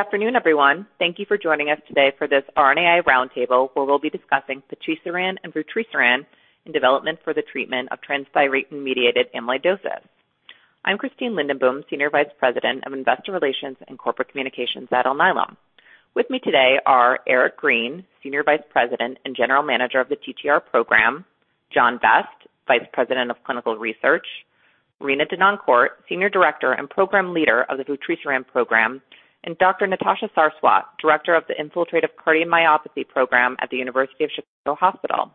Good afternoon, everyone. Thank you for joining us today for this RNAi Roundtable where we'll be discussing patisiran and vutrisiran in development for the treatment of transthyretin-mediated amyloidosis. I'm Christine Lindenboom, Senior Vice President of Investor Relations and Corporate Communications at Alnylam. With me today are Eric Green, Senior Vice President and General Manager of the TTR program, John Vest, Vice President of Clinical Research; Rena Denoncourt, Senior Director and Program Leader of the patisiran program, Dr. Nitasha Sarswat, director of the Infiltrative Cardiomyopathy Program at the University of Chicago Hospital.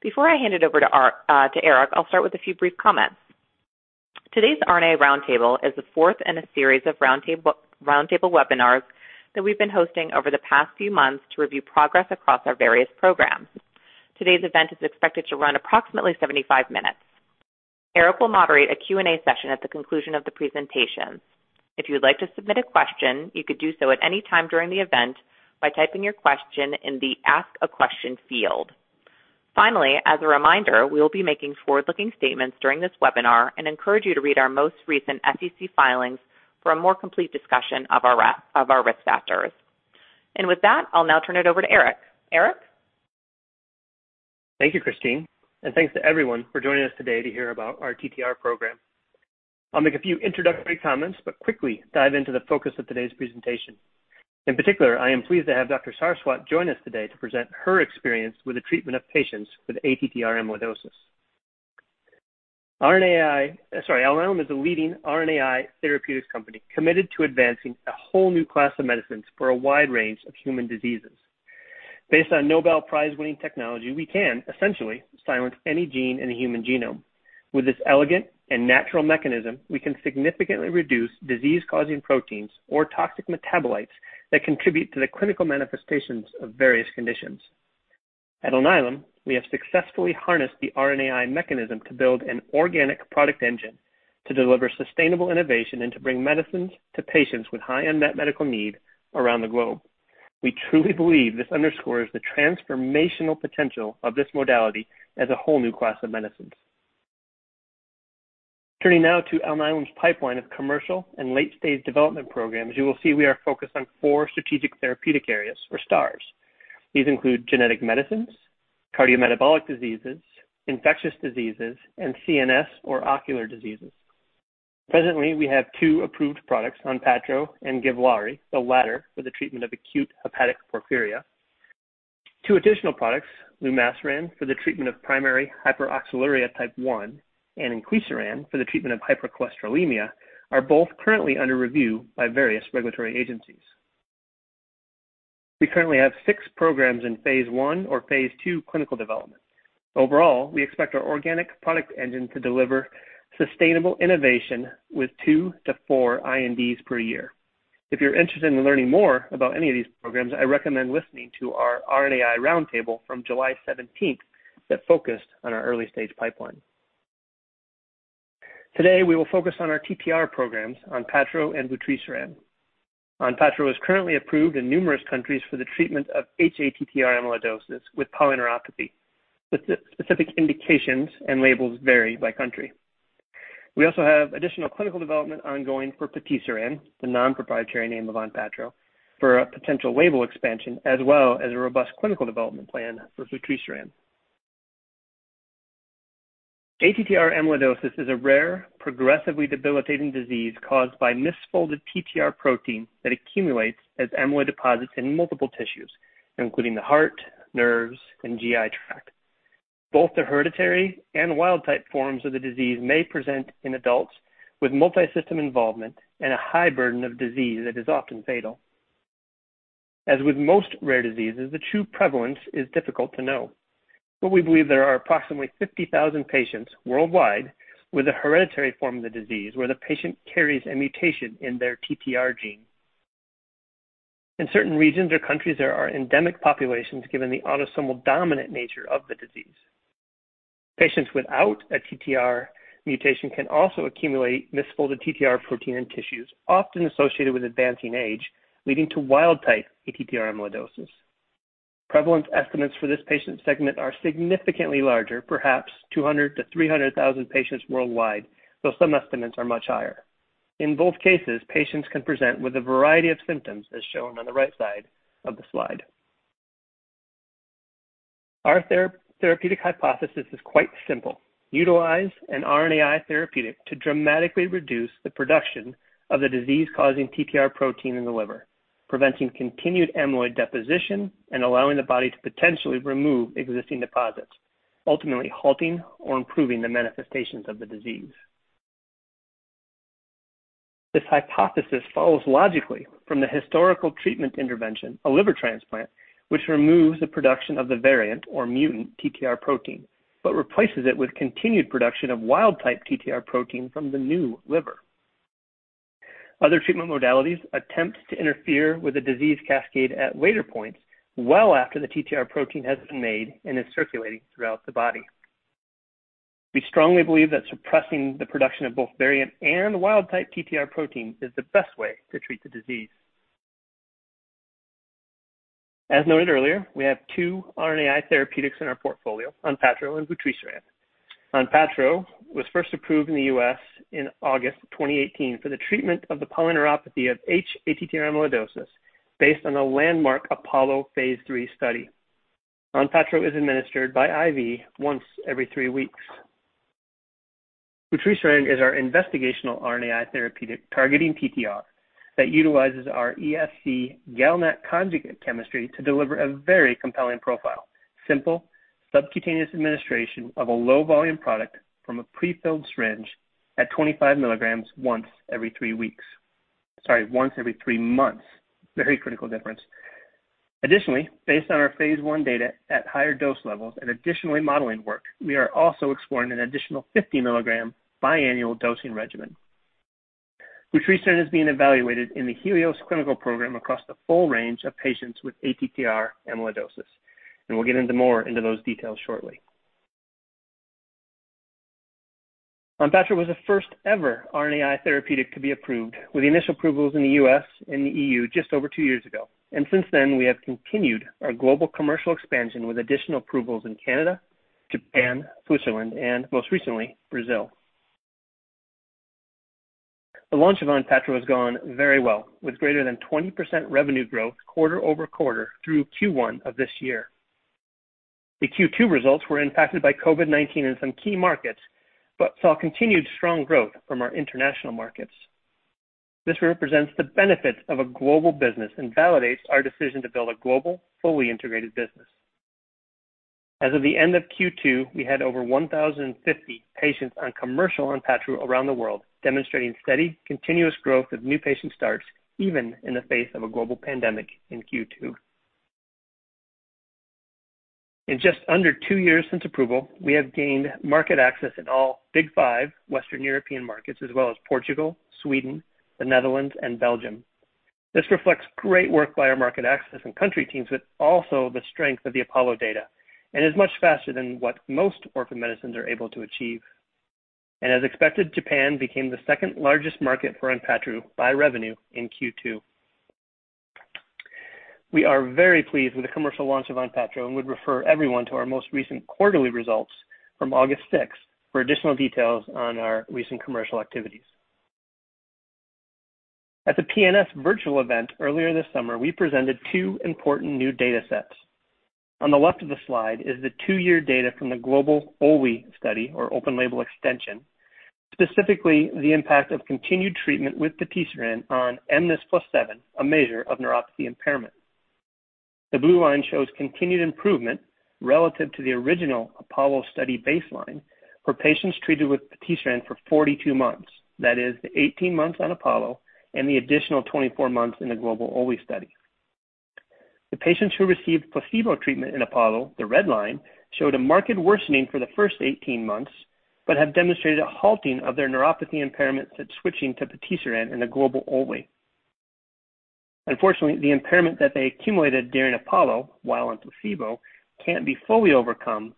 Before I hand it over to Eric, I'll start with a few brief comments. Today's RNAi Roundtable is the fourth in a series of roundtable webinars that we've been hosting over the past few months to review progress across our various programs. Today's event is expected to run approximately 75 minutes. Eric will moderate a Q&A session at the conclusion of the presentations. If you'd like to submit a question, you could do so at any time during the event by typing your question in the Ask a Question field. Finally, as a reminder, we will be making forward-looking statements during this webinar and encourage you to read our most recent SEC filings for a more complete discussion of our risk factors. And with that, I'll now turn it over to Eric. Eric? Thank you, Christine. And thanks to everyone for joining us today to hear about our TTR program. I'll make a few introductory comments, but quickly dive into the focus of today's presentation. In particular, I am pleased to have Dr. Sarswat join us today to present her experience with the treatment of patients with ATTR amyloidosis. RNAi, sorry, Alnylam is a leading RNAi therapeutic company committed to advancing a whole new class of medicines for a wide range of human diseases. Based on Nobel Prize-winning technology, we can, essentially, silence any gene in the human genome. With this elegant and natural mechanism, we can significantly reduce disease-causing proteins or toxic metabolites that contribute to the clinical manifestations of various conditions. At Alnylam, we have successfully harnessed the RNAi mechanism to build an organic product engine to deliver sustainable innovation and to bring medicines to patients with high unmet medical need around the globe. We truly believe this underscores the transformational potential of this modality as a whole new class of medicines. Turning now to Alnylam's pipeline of commercial and late-stage development programs, you will see we are focused on four strategic therapeutic areas or STArs. These include genetic medicines, cardiometabolic diseases, infectious diseases, and CNS or ocular diseases. Presently, we have two approved products: ONPATTRO and GIVLAARI, the latter for the treatment of acute hepatic porphyria. Two additional products, lumasiran for the treatment of primary hyperoxaluria type 1, and inclisiran for the treatment of hypercholesterolemia, are both currently under review by various regulatory agencies. We currently have six programs in Phase 1 or Phase 2 clinical development. Overall, we expect our organic product engine to deliver sustainable innovation with two to four INDs per year. If you're interested in learning more about any of these programs, I recommend listening to our RNAi roundtable from July 17th that focused on our early-stage pipeline. Today, we will focus on our TTR programs, ONPATTRO and vutrisiran. ONPATTRO is currently approved in numerous countries for the treatment of hATTR amyloidosis with polyneuropathy. The specific indications and labels vary by country. We also have additional clinical development ongoing for vutrisiran, the non-proprietary name of ONPATTRO, for a potential label expansion, as well as a robust clinical development plan for vutrisiran. ATTR amyloidosis is a rare, progressively debilitating disease caused by misfolded TTR protein that accumulates as amyloid deposits in multiple tissues, including the heart, nerves, and GI tract. Both the hereditary and wild-type forms of the disease may present in adults with multi-system involvement and a high burden of disease that is often fatal. As with most rare diseases, the true prevalence is difficult to know. But we believe there are approximately 50,000 patients worldwide with a hereditary form of the disease where the patient carries a mutation in their TTR gene. In certain regions or countries, there are endemic populations given the autosomal dominant nature of the disease. Patients without a TTR mutation can also accumulate misfolded TTR protein in tissues, often associated with advancing age, leading to wild-type ATTR amyloidosis. Prevalence estimates for this patient segment are significantly larger, perhaps 200,000 to 300,000 patients worldwide, though some estimates are much higher. In both cases, patients can present with a variety of symptoms, as shown on the right side of the slide. Our therapeutic hypothesis is quite simple: utilize an RNAi therapeutic to dramatically reduce the production of the disease-causing TTR protein in the liver, preventing continued amyloid deposition and allowing the body to potentially remove existing deposits, ultimately halting or improving the manifestations of the disease. This hypothesis follows logically from the historical treatment intervention, a liver transplant, which removes the production of the variant or mutant TTR protein but replaces it with continued production of wild-type TTR protein from the new liver. Other treatment modalities attempt to interfere with the disease cascade at later points well after the TTR protein has been made and is circulating throughout the body. We strongly believe that suppressing the production of both variant and wild-type TTR protein is the best way to treat the disease. As noted earlier, we have two RNAi therapeutics in our portfolio: ONPATTRO and vutrisiran. ONPATTRO was first approved in the U.S. in August 2018 for the treatment of the polyneuropathy of hATTR amyloidosis based on a landmark APOLLO Phase 3 study. ONPATTRO is administered by IV once every three weeks. vutrisiran is our investigational RNAi therapeutic targeting TTR that utilizes our ESC-GalNAc conjugate chemistry to deliver a very compelling profile: simple subcutaneous administration of a low-volume product from a prefilled syringe at 25 milligrams once every three weeks. Sorry, once every three months. Very critical difference. Additionally, based on our Phase 1 data at higher dose levels and additional modeling work, we are also exploring an additional 50 milligram biannual dosing regimen. vutrisiran is being evaluated in the HELIOS clinical program across the full range of patients with ATTR amyloidosis. And we'll get into more into those details shortly. ONPATTRO was the first-ever RNAi therapeutic to be approved, with initial approvals in the U.S. and the E.U. just over two years ago, and since then, we have continued our global commercial expansion with additional approvals in Canada, Japan, Switzerland, and most recently, Brazil. The launch of ONPATTRO has gone very well, with greater than 20% revenue growth quarter over quarter through Q1 of this year. The Q2 results were impacted by COVID-19 in some key markets but saw continued strong growth from our international markets. This represents the benefits of a global business and validates our decision to build a global, fully integrated business. As of the end of Q2, we had over 1,050 patients on commercial ONPATTRO around the world, demonstrating steady, continuous growth of new patient starts even in the face of a global pandemic in Q2. In just under two years since approval, we have gained market access in all big five Western European markets, as well as Portugal, Sweden, the Netherlands, and Belgium. This reflects great work by our market access and country teams, but also the strength of the APOLLO data. And it's much faster than what most orphan medicines are able to achieve. And as expected, Japan became the second largest market for ONPATTRO by revenue in Q2. We are very pleased with the commercial launch of ONPATTRO and would refer everyone to our most recent quarterly results from August 6th for additional details on our recent commercial activities. At the PNS virtual event earlier this summer, we presented two important new data sets. On the left of the slide is the two-year data from the Global OLE study or open label extension, specifically the impact of continued treatment with patisiran on mNIS+7, a measure of neuropathy impairment. The blue line shows continued improvement relative to the original APOLLO study baseline for patients treated with patisiran for 42 months, that is, the 18 months on APOLLO and the additional 24 months in the Global OLE study. The patients who received placebo treatment in APOLLO, the red line, showed a marked worsening for the first 18 months but have demonstrated a halting of their neuropathy impairment since switching to patisiran in the Global OLE. Unfortunately, the impairment that they accumulated during APOLLO, while on placebo, can't be fully overcome,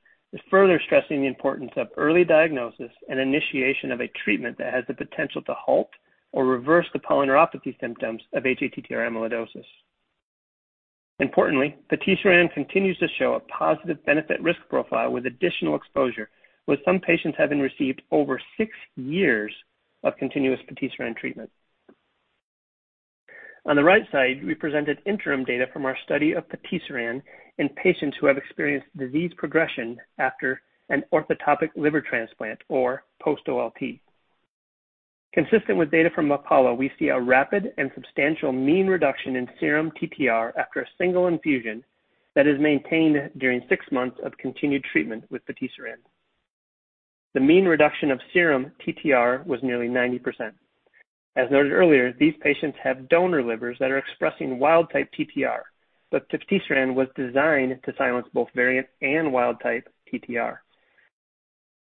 further stressing the importance of early diagnosis and initiation of a treatment that has the potential to halt or reverse the polyneuropathy symptoms of hATTR amyloidosis. Importantly, vutrisiran continues to show a positive benefit-risk profile with additional exposure, with some patients having received over six years of continuous vutrisiran treatment. On the right side, we presented interim data from our study of vutrisiran in patients who have experienced disease progression after an orthotopic liver transplant or post-OLT. Consistent with data from APOLLO, we see a rapid and substantial mean reduction in serum TTR after a single infusion that is maintained during six months of continued treatment with vutrisiran. The mean reduction of serum TTR was nearly 90%. As noted earlier, these patients have donor livers that are expressing wild-type TTR, but vutrisiran was designed to silence both variant and wild-type TTR.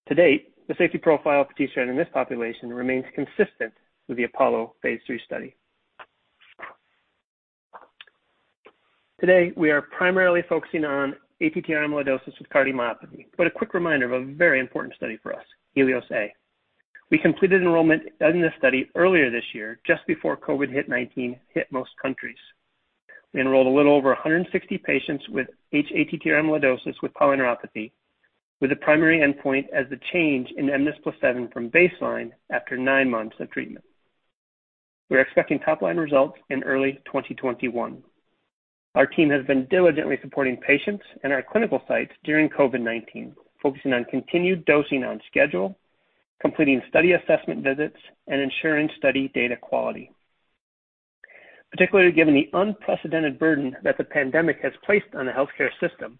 To date, the safety profile of vutrisiran in this population remains consistent with the APOLLO phase 3 study. Today, we are primarily focusing on ATTR amyloidosis with cardiomyopathy, but a quick reminder of a very important study for us, HELIOS-A. We completed enrollment in this study earlier this year, just before COVID-19 hit most countries. We enrolled a little over 160 patients with hATTR amyloidosis with polyneuropathy, with the primary endpoint as the change in mNIS+7 from baseline after nine months of treatment. We're expecting top-line results in early 2021. Our team has been diligently supporting patients and our clinical sites during COVID-19, focusing on continued dosing on schedule, completing study assessment visits, and ensuring study data quality. Particularly given the unprecedented burden that the pandemic has placed on the healthcare system,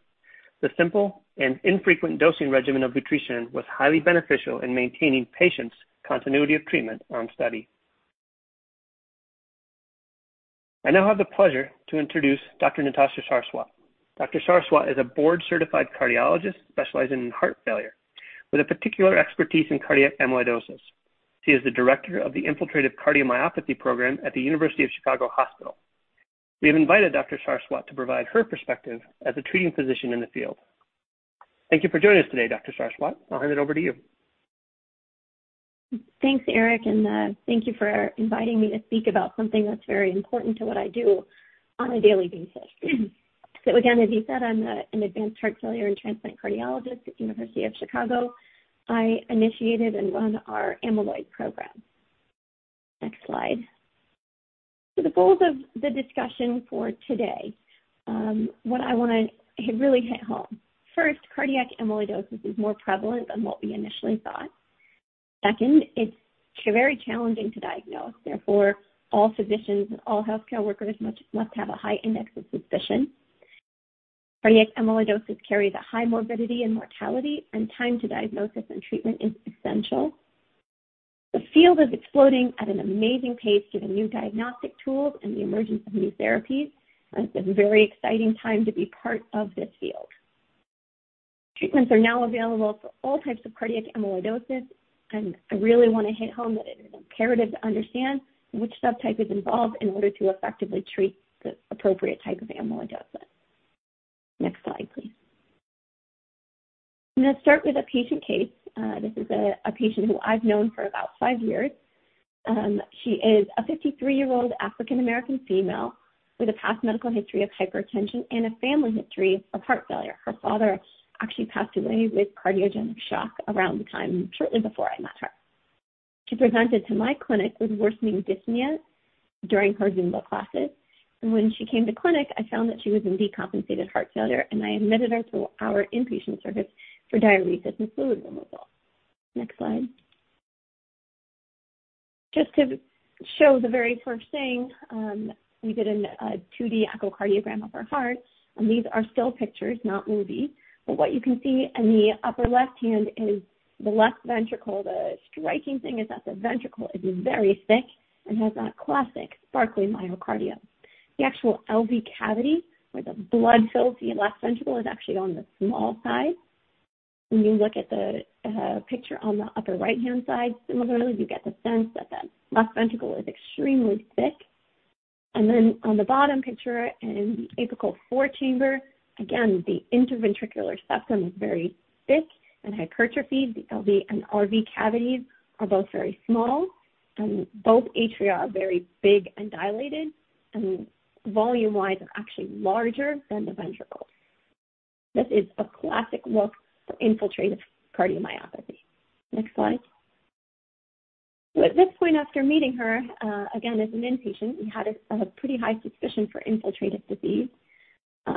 the simple and infrequent dosing regimen of vutrisiran was highly beneficial in maintaining patients' continuity of treatment on study. I now have the pleasure to introduce Dr. Nitasha Sarswat. Dr. Sarswat is a board-certified cardiologist specializing in heart failure with a particular expertise in cardiac amyloidosis. She is the director of the Infiltrative Cardiomyopathy Program at the University of Chicago Hospital. We have invited Dr. Sarswat to provide her perspective as a treating physician in the field. Thank you for joining us today, Dr. Sarswat. I'll hand it over to you. Thanks, Eric, and thank you for inviting me to speak about something that's very important to what I do on a daily basis. So again, as you said, I'm an advanced heart failure and transplant cardiologist at the University of Chicago. I initiated and run our amyloid program. Next slide. So the goals of the discussion for today, what I want to really hit home. First, cardiac amyloidosis is more prevalent than what we initially thought. Second, it's very challenging to diagnose. Therefore, all physicians and all healthcare workers must have a high index of suspicion. Cardiac amyloidosis carries a high morbidity and mortality, and time to diagnosis and treatment is essential. The field is exploding at an amazing pace due to new diagnostic tools and the emergence of new therapies. It's a very exciting time to be part of this field. Treatments are now available for all types of cardiac amyloidosis, and I really want to hit home that it is imperative to understand which subtype is involved in order to effectively treat the appropriate type of amyloidosis. Next slide, please. I'm going to start with a patient case. This is a patient who I've known for about five years. She is a 53-year-old African-American female with a past medical history of hypertension and a family history of heart failure. Her father actually passed away with cardiogenic shock around the time shortly before I met her. She presented to my clinic with worsening dyspnea during her Zumba classes, and when she came to clinic, I found that she was in decompensated heart failure, and I admitted her to our inpatient service for diuresis and fluid removal. Next slide. Just to show the very first thing, we did a 2D echocardiogram of her heart, and these are still pictures, not movies, but what you can see in the upper left hand is the left ventricle. The striking thing is that the ventricle is very thick and has that classic sparkly myocardium. The actual LV cavity, where the blood fills the left ventricle, is actually on the small side. When you look at the picture on the upper right-hand side, similarly, you get the sense that the left ventricle is extremely thick. And then on the bottom picture in the apical four chamber, again, the interventricular septum is very thick and hypertrophied. The LV and RV cavities are both very small, and both atria are very big and dilated, and volume-wise, they're actually larger than the ventricle. This is a classic look for infiltrative cardiomyopathy. Next slide. So at this point, after meeting her, again, as an inpatient, we had a pretty high suspicion for infiltrative disease.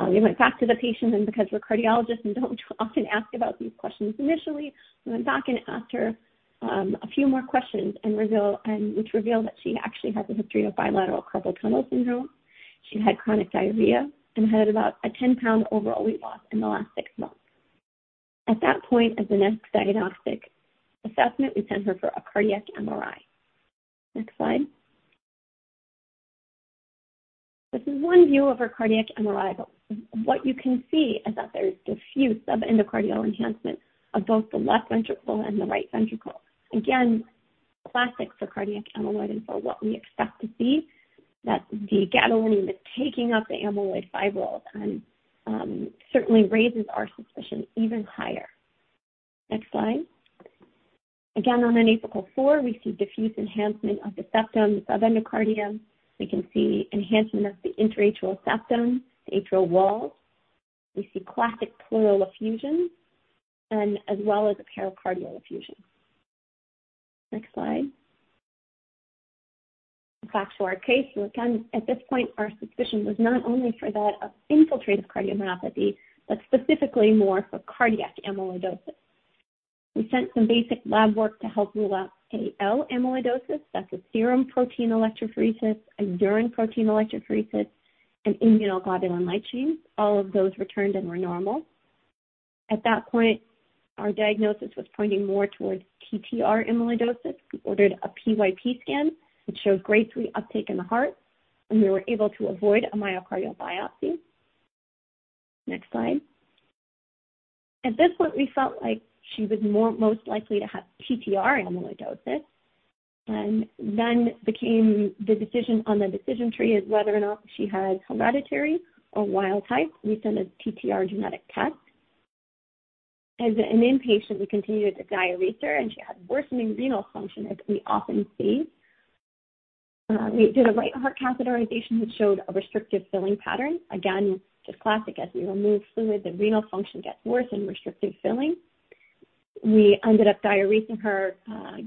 We went back to the patient, and because we're cardiologists and don't often ask about these questions initially, we went back and asked her a few more questions, which revealed that she actually has a history of bilateral carpal tunnel syndrome. She had chronic diarrhea and had about a 10-pound overall weight loss in the last six months. At that point, as the next diagnostic assessment, we sent her for a cardiac MRI. Next slide. This is one view of her cardiac MRI, but what you can see is that there's diffuse subendocardial enhancement of both the left ventricle and the right ventricle. Again, classic for cardiac amyloid and for what we expect to see, that the gadolinium is taking up the amyloid fibrils and certainly raises our suspicion even higher. Next slide. Again, on an apical four, we see diffuse enhancement of the septum, subendocardium. We can see enhancement of the interatrial septum, the atrial wall. We see classic pleural effusions, as well as a pericardial effusion. Next slide. Back to our case. So again, at this point, our suspicion was not only for that of infiltrative cardiomyopathy, but specifically more for cardiac amyloidosis. We sent some basic lab work to help rule out AL amyloidosis. That's a serum protein electrophoresis, a urine protein electrophoresis, and immunoglobulin light chains. All of those returned and were normal. At that point, our diagnosis was pointing more towards TTR amyloidosis. We ordered a PYP scan, which showed grade 3 uptake in the heart, and we were able to avoid a myocardial biopsy. Next slide. At this point, we felt like she was most likely to have TTR amyloidosis, and then the decision on the decision tree is whether or not she has hereditary or wild type. We sent a TTR genetic test. As an inpatient, we continued to diurese her, and she had worsening renal function, as we often see. We did a right heart catheterization, which showed a restrictive filling pattern. Again, just classic, as we remove fluid, the renal function gets worse in restrictive filling. We ended up diuresing her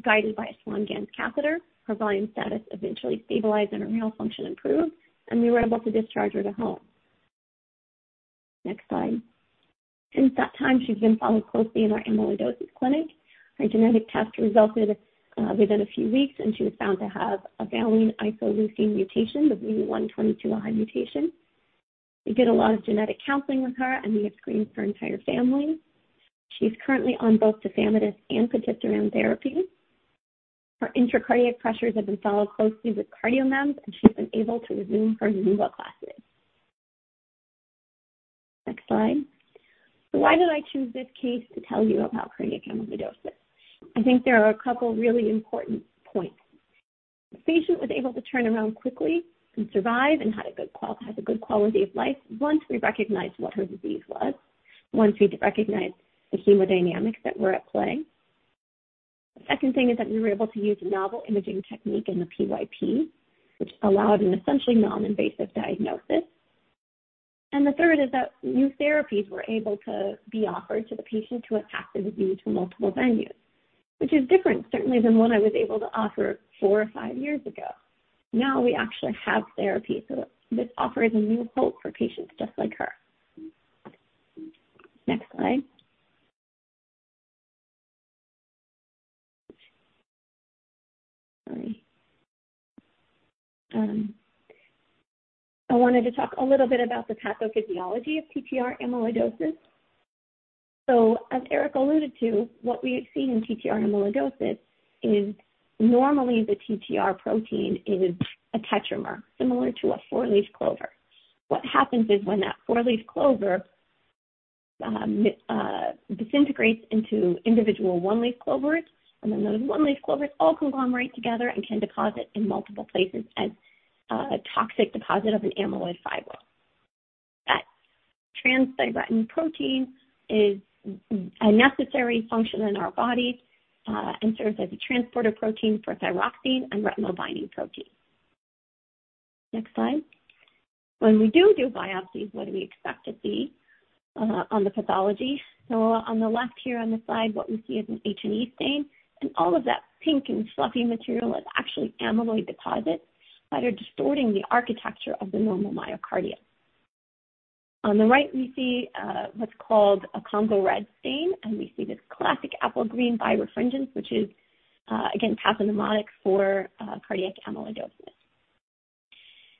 guided by a Swan-Ganz catheter. Her volume status eventually stabilized, and her renal function improved, and we were able to discharge her to home. Next slide. Since that time, she's been followed closely in our amyloidosis clinic. Her genetic test resulted within a few weeks, and she was found to have a valine isoleucine mutation, the V122I mutation. We did a lot of genetic counseling with her, and we have screened her entire family. She's currently on both tafamidis and patisiran therapy. Her intracardiac pressures have been followed closely with CardioMEMS, and she's been able to resume her Zumba classes. Next slide. So why did I choose this case to tell you about cardiac amyloidosis? I think there are a couple of really important points. The patient was able to turn around quickly and survive and had a good quality of life once we recognized what her disease was, once we recognized the hemodynamics that were at play. The second thing is that we were able to use a novel imaging technique in the PYP, which allowed an essentially non-invasive diagnosis. And the third is that new therapies were able to be offered to the patient who had passed the disease to multiple venues, which is different certainly than what I was able to offer four or five years ago. Now we actually have therapy, so this offers a new hope for patients just like her. Next slide. Sorry. I wanted to talk a little bit about the pathophysiology of TTR amyloidosis. As Eric alluded to, what we have seen in TTR amyloidosis is normally the TTR protein is a tetramer, similar to a four-leaf clover. What happens is when that four-leaf clover disintegrates into individual one-leaf clovers, and then those one-leaf clovers all conglomerate together and can deposit in multiple places as a toxic deposit of an amyloid fiber. That transthyretin protein is a necessary function in our body and serves as a transporter protein for thyroxine and retinol-binding protein. Next slide. When we do biopsies, what do we expect to see on the pathology? So on the left here on the slide, what we see is an H&E stain, and all of that pink and fluffy material is actually amyloid deposits that are distorting the architecture of the normal myocardium. On the right, we see what's called a Congo Red stain, and we see this classic apple-green birefringence, which is, again, pathognomonic for cardiac amyloidosis.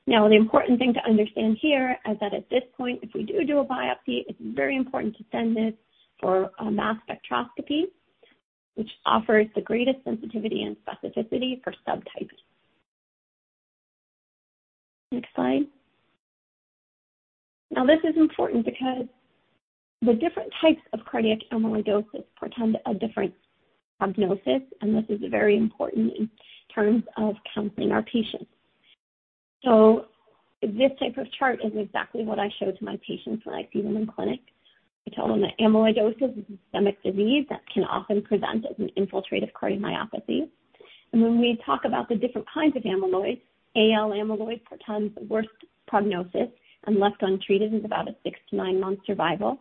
Now, the important thing to understand here is that at this point, if we do do a biopsy, it's very important to send this for a mass spectrometry, which offers the greatest sensitivity and specificity for subtypes. Next slide. Now, this is important because the different types of cardiac amyloidosis portend a different prognosis, and this is very important in terms of counseling our patients. So this type of chart is exactly what I show to my patients when I see them in clinic. I tell them that amyloidosis is a systemic disease that can often present as an infiltrative cardiomyopathy. When we talk about the different kinds of amyloid, AL amyloid portends the worst prognosis, and left untreated is about a six- to nine-month survival.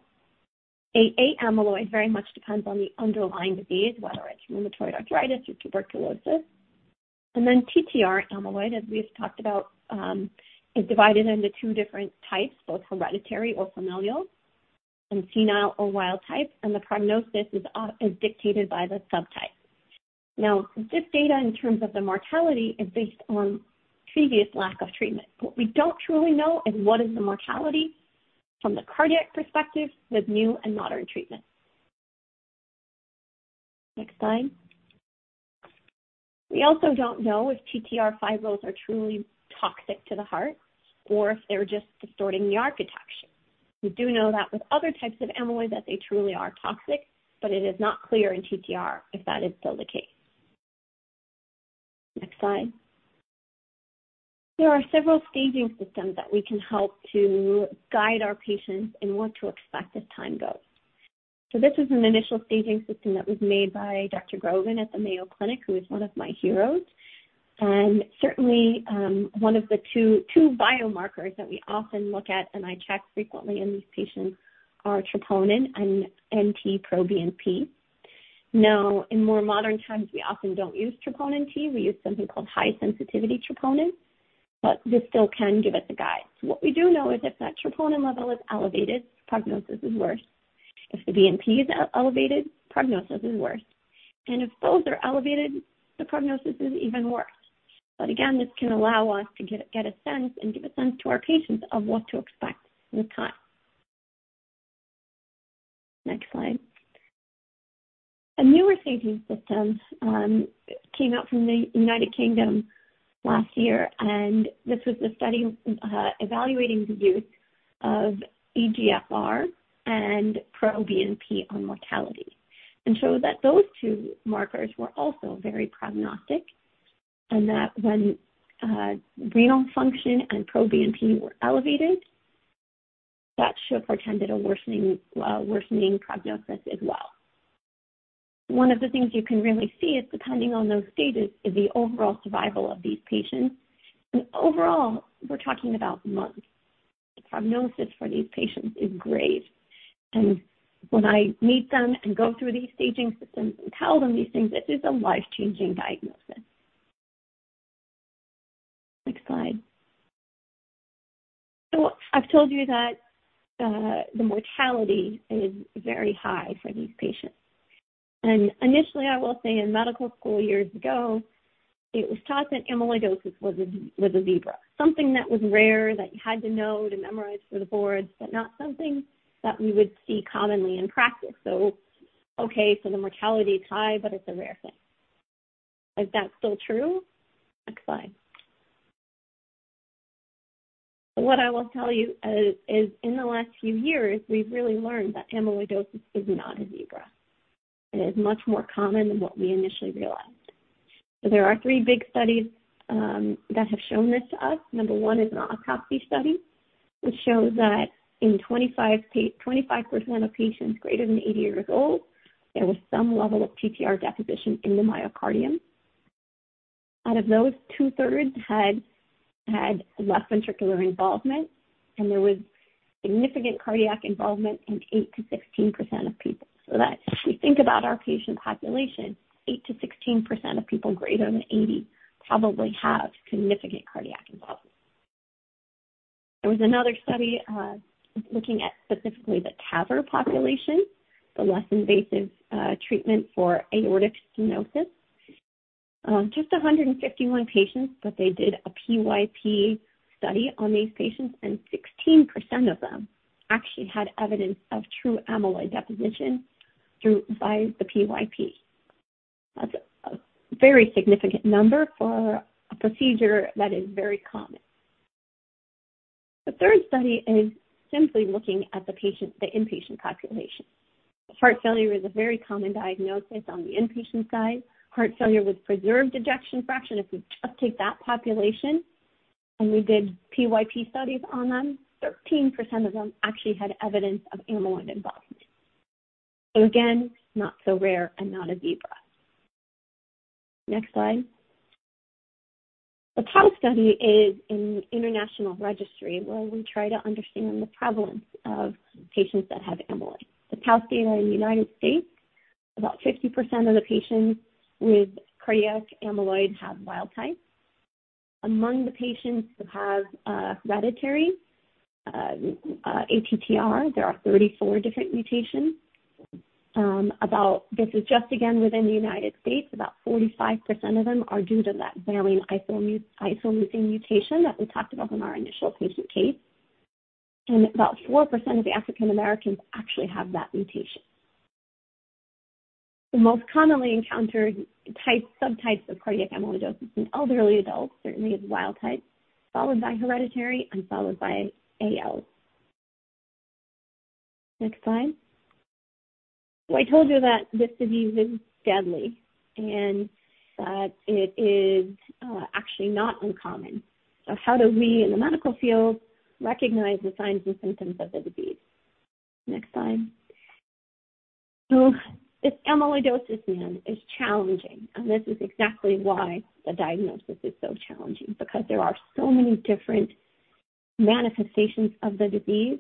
AA amyloid very much depends on the underlying disease, whether it's rheumatoid arthritis or tuberculosis. And then TTR amyloid, as we've talked about, is divided into two different types, both hereditary or familial and senile or wild-type, and the prognosis is dictated by the subtype. Now, this data in terms of the mortality is based on previous lack of treatment. What we don't truly know is what is the mortality from the cardiac perspective with new and modern treatment. Next slide. We also don't know if TTR fibrils are truly toxic to the heart or if they're just distorting the architecture. We do know that with other types of amyloid that they truly are toxic, but it is not clear in TTR if that is still the case. Next slide. There are several staging systems that we can help to guide our patients in what to expect as time goes. So this is an initial staging system that was made by Dr. Grogan at the Mayo Clinic, who is one of my heroes. And certainly, one of the two biomarkers that we often look at, and I check frequently in these patients, are troponin and NT-proBNP. Now, in more modern times, we often don't use troponin T. We use something called high-sensitivity troponin, but this still can give us a guide. So what we do know is if that troponin level is elevated, prognosis is worse. If the BNP is elevated, prognosis is worse. If those are elevated, the prognosis is even worse. But again, this can allow us to get a sense and give a sense to our patients of what to expect with time. Next slide. A newer staging system came out from the United Kingdom last year, and this was the study evaluating the use of eGFR and NT-proBNP on mortality. And so those two markers were also very prognostic, and that when renal function and NT-proBNP were elevated, that should portend a worsening prognosis as well. One of the things you can really see is depending on those stages is the overall survival of these patients. And overall, we're talking about months. The prognosis for these patients is great. And when I meet them and go through these staging systems and tell them these things, this is a life-changing diagnosis. Next slide. So I've told you that the mortality is very high for these patients. And initially, I will say in medical school years ago, it was thought that amyloidosis was a zebra, something that was rare that you had to know to memorize for the boards, but not something that we would see commonly in practice. So, okay, so the mortality is high, but it's a rare thing. Is that still true? Next slide. So what I will tell you is in the last few years, we've really learned that amyloidosis is not a zebra. It is much more common than what we initially realized. So there are three big studies that have shown this to us. Number one is an autopsy study, which shows that in 25% of patients greater than 80 years old, there was some level of TTR deposition in the myocardium. Out of those, two-thirds had left ventricular involvement, and there was significant cardiac involvement in 8%-16% of people. So that if we think about our patient population, 8%-16% of people greater than 80 probably have significant cardiac involvement. There was another study looking at specifically the TAVR population, the less invasive treatment for aortic stenosis. Just 151 patients, but they did a PYP study on these patients, and 16% of them actually had evidence of true amyloid deposition by the PYP. That's a very significant number for a procedure that is very common. The third study is simply looking at the inpatient population. Heart failure is a very common diagnosis on the inpatient side. Heart failure with preserved ejection fraction, if we just take that population and we did PYP studies on them, 13% of them actually had evidence of amyloid involvement. So again, not so rare and not a zebra. Next slide. The THAOS study is in the International Registry where we try to understand the prevalence of patients that have amyloid. The THAOS data in the United States, about 50% of the patients with cardiac amyloid have wild-type. Among the patients who have hereditary ATTR, there are 34 different mutations. This is just, again, within the United States. About 45% of them are due to that valine isoleucine mutation that we talked about in our initial patient case. And about 4% of African Americans actually have that mutation. The most commonly encountered subtypes of cardiac amyloidosis in elderly adults certainly is wild-type, followed by hereditary and followed by AL. Next slide. So I told you that this disease is deadly and that it is actually not uncommon. So how do we in the medical field recognize the signs and symptoms of the disease? Next slide. So this amyloidosis, man, is challenging, and this is exactly why the diagnosis is so challenging, because there are so many different manifestations of the disease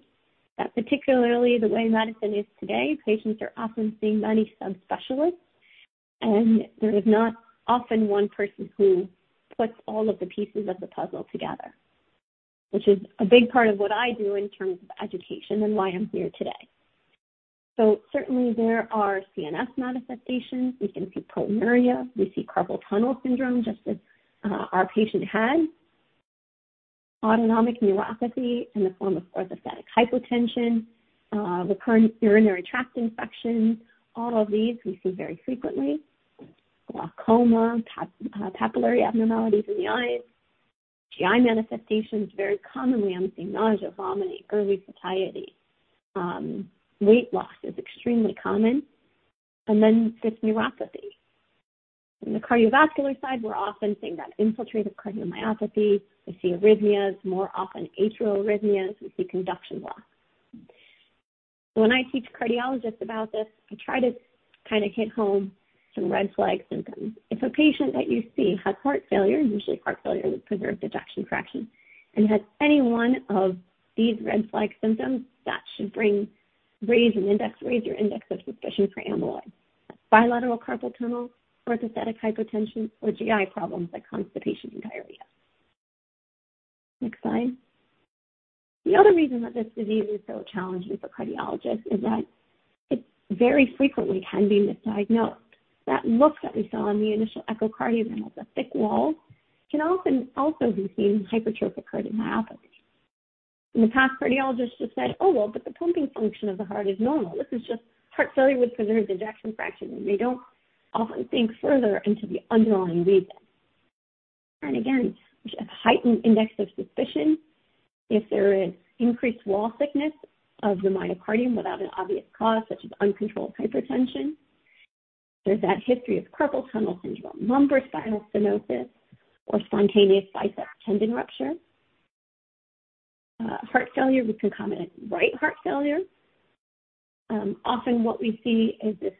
that particularly the way medicine is today, patients are often seeing many subspecialists, and there is not often one person who puts all of the pieces of the puzzle together, which is a big part of what I do in terms of education and why I'm here today. So certainly, there are CNS manifestations. We can see proteinuria. We see carpal tunnel syndrome, just as our patient had, autonomic neuropathy in the form of orthostatic hypotension, recurrent urinary tract infections. All of these we see very frequently. Glaucoma, papillary abnormalities in the eyes, GI manifestations very commonly. I'm seeing nausea, vomiting, early satiety. Weight loss is extremely common. And then this neuropathy. On the cardiovascular side, we're often seeing that infiltrative cardiomyopathy. We see arrhythmias, more often atrial arrhythmias. We see conduction loss. So when I teach cardiologists about this, I try to kind of hit home some red flag symptoms. If a patient that you see has heart failure, usually heart failure with preserved ejection fraction, and has any one of these red flag symptoms, that should raise an index, raise your index of suspicion for amyloid. Bilateral carpal tunnel, orthostatic hypotension, or GI problems like constipation and diarrhea. Next slide. The other reason that this disease is so challenging for cardiologists is that it very frequently can be misdiagnosed. That look that we saw on the initial echocardiogram of the thick wall can often also be seen in hypertrophic cardiomyopathy. In the past, cardiologists just said, "Oh, well, but the pumping function of the heart is normal. This is just heart failure with preserved ejection fraction." And they don't often think further into the underlying reason. And again, we should have a heightened index of suspicion if there is increased wall thickness of the myocardium without an obvious cause, such as uncontrolled hypertension. There's that history of carpal tunnel syndrome, lumbar spinal stenosis, or spontaneous biceps tendon rupture. Heart failure, we can comment on right heart failure. Often what we see is this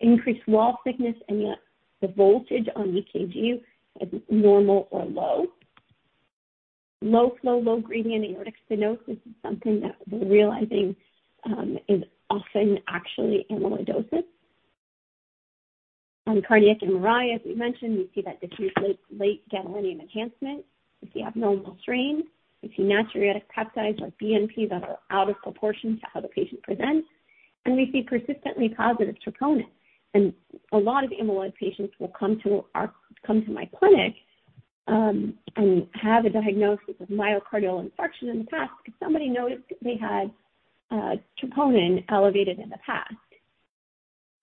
increased wall thickness, and yet the voltage on EKG is normal or low. Low-flow, low-gradient aortic stenosis is something that we're realizing is often actually amyloidosis. On cardiac MRI, as we mentioned, we see that diffuse late gadolinium enhancement. We see abnormal strains. We see natriuretic peptides like BNP that are out of proportion to how the patient presents. And we see persistently positive troponin. And a lot of amyloid patients will come to my clinic and have a diagnosis of myocardial infarction in the past because somebody noticed they had troponin elevated in the past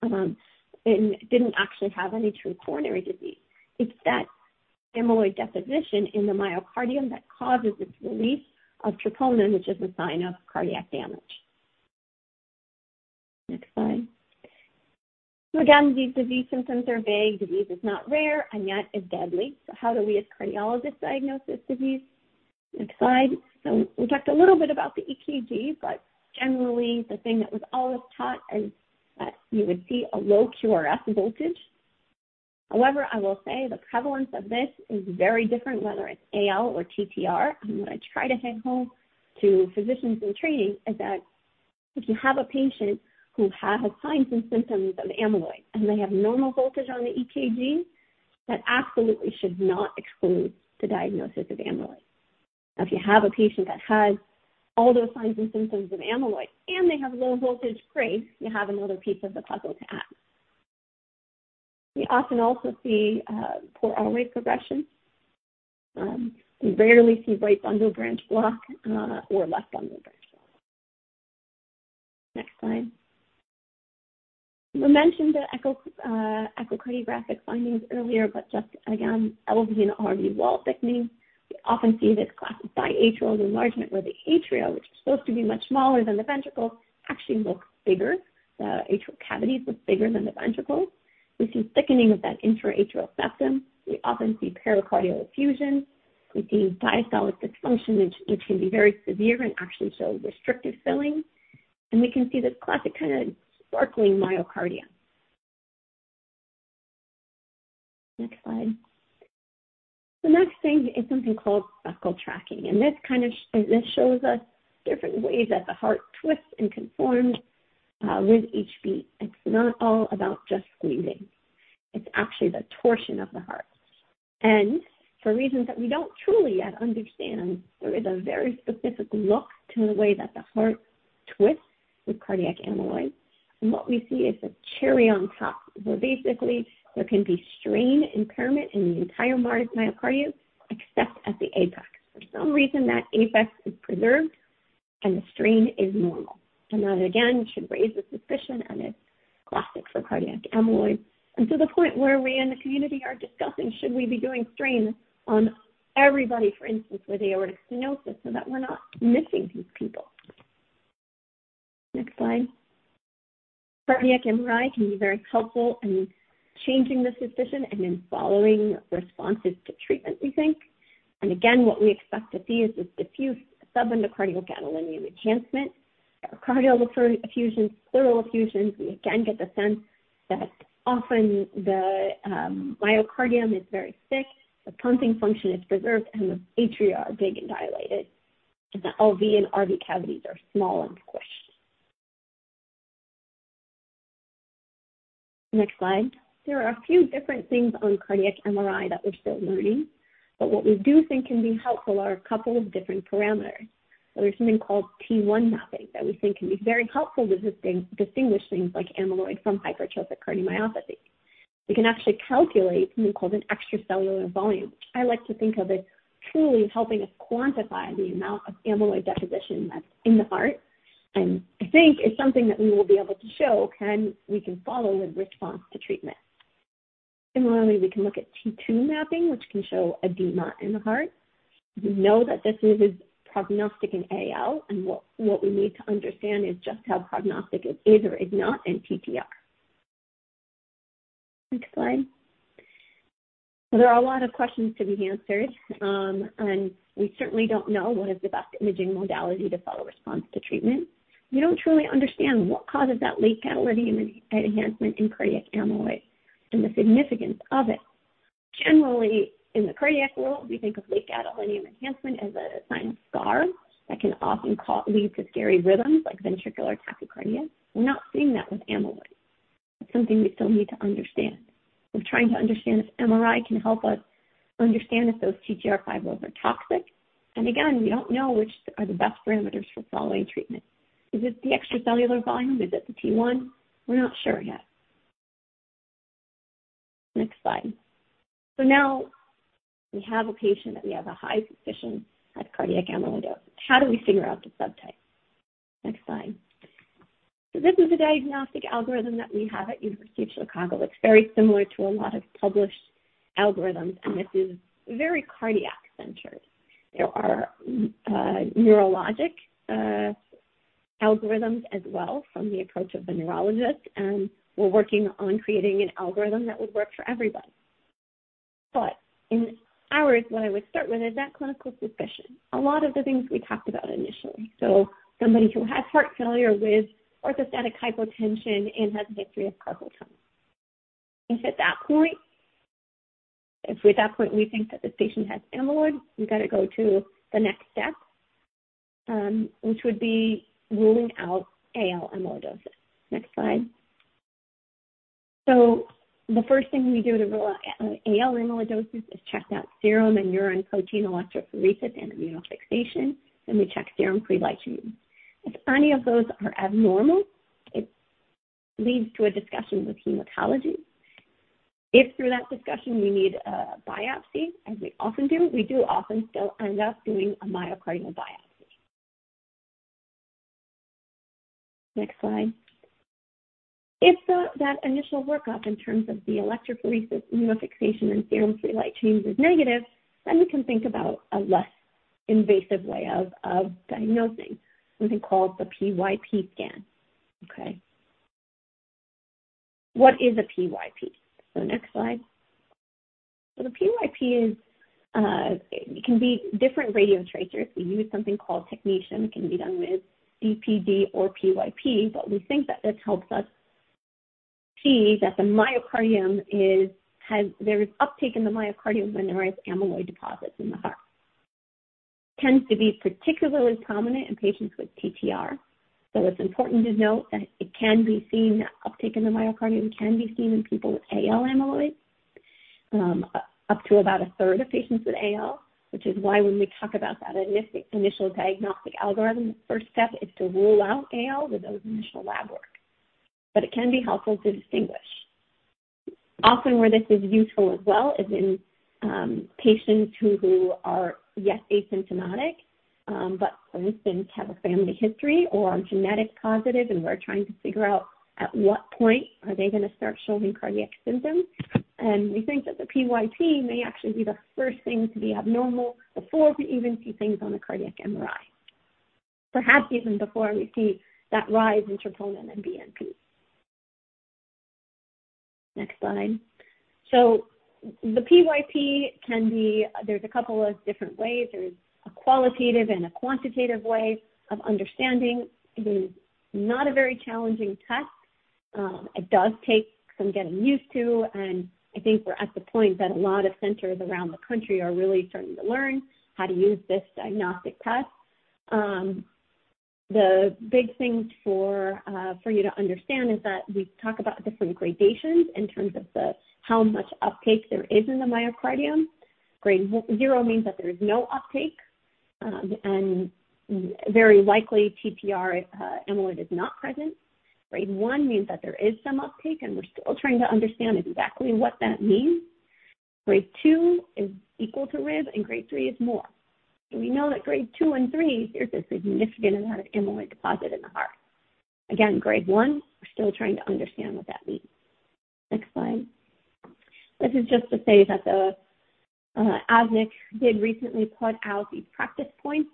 and didn't actually have any true coronary disease. It's that amyloid deposition in the myocardium that causes this release of troponin, which is a sign of cardiac damage. Next slide. So again, these disease symptoms are vague. Disease is not rare, and yet is deadly. So how do we as cardiologists diagnose this disease? Next slide. So we talked a little bit about the EKG, but generally, the thing that was always taught is that you would see a low QRS voltage. However, I will say the prevalence of this is very different whether it's AL or TTR. And what I try to hit home to physicians in training is that if you have a patient who has signs and symptoms of amyloid and they have normal voltage on the EKG, that absolutely should not exclude the diagnosis of amyloid. Now, if you have a patient that has all those signs and symptoms of amyloid and they have low voltage, great, you have another piece of the puzzle to add. We often also see poor R-wave progression. We rarely see right bundle branch block or left bundle branch block. Next slide. We mentioned the echocardiographic findings earlier, but just again, elevated RV wall thickening. We often see this class of biatrial enlargement where the atria, which are supposed to be much smaller than the ventricle, actually look bigger. The atrial cavities look bigger than the ventricles. We see thickening of that intra-atrial septum. We often see pericardial effusion. We see diastolic dysfunction, which can be very severe and actually show restrictive filling. And we can see this classic kind of sparkling myocardium. Next slide. The next thing is something called muscle tracking. And this kind of shows us different ways that the heart twists and conforms with each beat. It's not all about just squeezing. It's actually the torsion of the heart. And for reasons that we don't truly yet understand, there is a very specific look to the way that the heart twists with cardiac amyloid. And what we see is a cherry on top, where basically there can be strain impairment in the entire myocardium except at the apex. For some reason, that apex is preserved and the strain is normal. That again should raise the suspicion, and it's classic for cardiac amyloid. To the point where we in the community are discussing, should we be doing strain on everybody, for instance, with aortic stenosis so that we're not missing these people? Next slide. Cardiac MRI can be very helpful in changing the suspicion and in following responses to treatment, we think. Again, what we expect to see is this diffuse subendocardial gadolinium enhancement, pericardial effusions, pleural effusions. We again get the sense that often the myocardium is very thick, the pumping function is preserved, and the atria are big and dilated, and the LV and RV cavities are small and squished. Next slide. There are a few different things on cardiac MRI that we're still learning, but what we do think can be helpful are a couple of different parameters. There's something called T1 mapping that we think can be very helpful to distinguish things like amyloid from hypertrophic cardiomyopathy. We can actually calculate something called an extracellular volume, which I like to think of as truly helping us quantify the amount of amyloid deposition that's in the heart. And I think it's something that we will be able to show we can follow with response to treatment. Similarly, we can look at T2 mapping, which can show edema in the heart. We know that this is prognostic in AL, and what we need to understand is just how prognostic it is or is not in TTR. Next slide. There are a lot of questions to be answered, and we certainly don't know what is the best imaging modality to follow response to treatment. We don't truly understand what causes that late gadolinium enhancement in cardiac amyloid and the significance of it. Generally, in the cardiac world, we think of late gadolinium enhancement as a sign of scar that can often lead to scary rhythms like ventricular tachycardia. We're not seeing that with amyloid. That's something we still need to understand. We're trying to understand if MRI can help us understand if those TTR fibrils are toxic. And again, we don't know which are the best parameters for following treatment. Is it the extracellular volume? Is it the T1? We're not sure yet. Next slide. So now we have a patient that we have a high suspicion has cardiac amyloidosis. How do we figure out the subtype? Next slide. So this is a diagnostic algorithm that we have at the University of Chicago. It's very similar to a lot of published algorithms, and this is very cardiac-centered. There are neurologic algorithms as well from the approach of the neurologist, and we're working on creating an algorithm that would work for everybody. But in ours, what I would start with is that clinical suspicion. A lot of the things we talked about initially. So somebody who has heart failure with orthostatic hypotension and has a history of carpal tunnel. If at that point, if at that point we think that this patient has amyloid, we've got to go to the next step, which would be ruling out AL amyloidosis. Next slide. So the first thing we do to rule out AL amyloidosis is check that serum and urine protein electrophoresis and immunofixation, and we check serum free light chains. If any of those are abnormal, it leads to a discussion with hematology. If through that discussion we need a biopsy, as we often do, we do often still end up doing a myocardial biopsy. Next slide. If that initial workup in terms of the electrophoresis, immunofixation, and serum free light chains is negative, then we can think about a less invasive way of diagnosing, something called the PYP scan. Okay. What is a PYP? So next slide. So the PYP can be different radiotracers. We use something called technetium. It can be done with DPD or PYP, but we think that this helps us see that the myocardium has uptake in the myocardium when there are amyloid deposits in the heart. It tends to be particularly prominent in patients with TTR. It's important to note that it can be seen that uptake in the myocardium can be seen in people with AL amyloid, up to about a third of patients with AL, which is why when we talk about that initial diagnostic algorithm, the first step is to rule out AL with those initial lab work. But it can be helpful to distinguish. Often where this is useful as well is in patients who are yet asymptomatic, but for instance, have a family history or are genetic positive, and we're trying to figure out at what point are they going to start showing cardiac symptoms. We think that the PYP may actually be the first thing to be abnormal before we even see things on the cardiac MRI, perhaps even before we see that rise in troponin and BNP. Next slide. So the PYP can be. There's a couple of different ways. There's a qualitative and a quantitative way of understanding. It is not a very challenging test. It does take some getting used to, and I think we're at the point that a lot of centers around the country are really starting to learn how to use this diagnostic test. The big thing for you to understand is that we talk about different gradations in terms of how much uptake there is in the myocardium. Grade 0 means that there is no uptake, and very likely TTR amyloid is not present. Grade 1 means that there is some uptake, and we're still trying to understand exactly what that means. Grade 2 is equal to rib, and grade 3 is more. So we know that grade 2 and 3, there's a significant amount of amyloid deposit in the heart. Again, grade one, we're still trying to understand what that means. Next slide. This is just to say that the ASNC did recently put out these practice points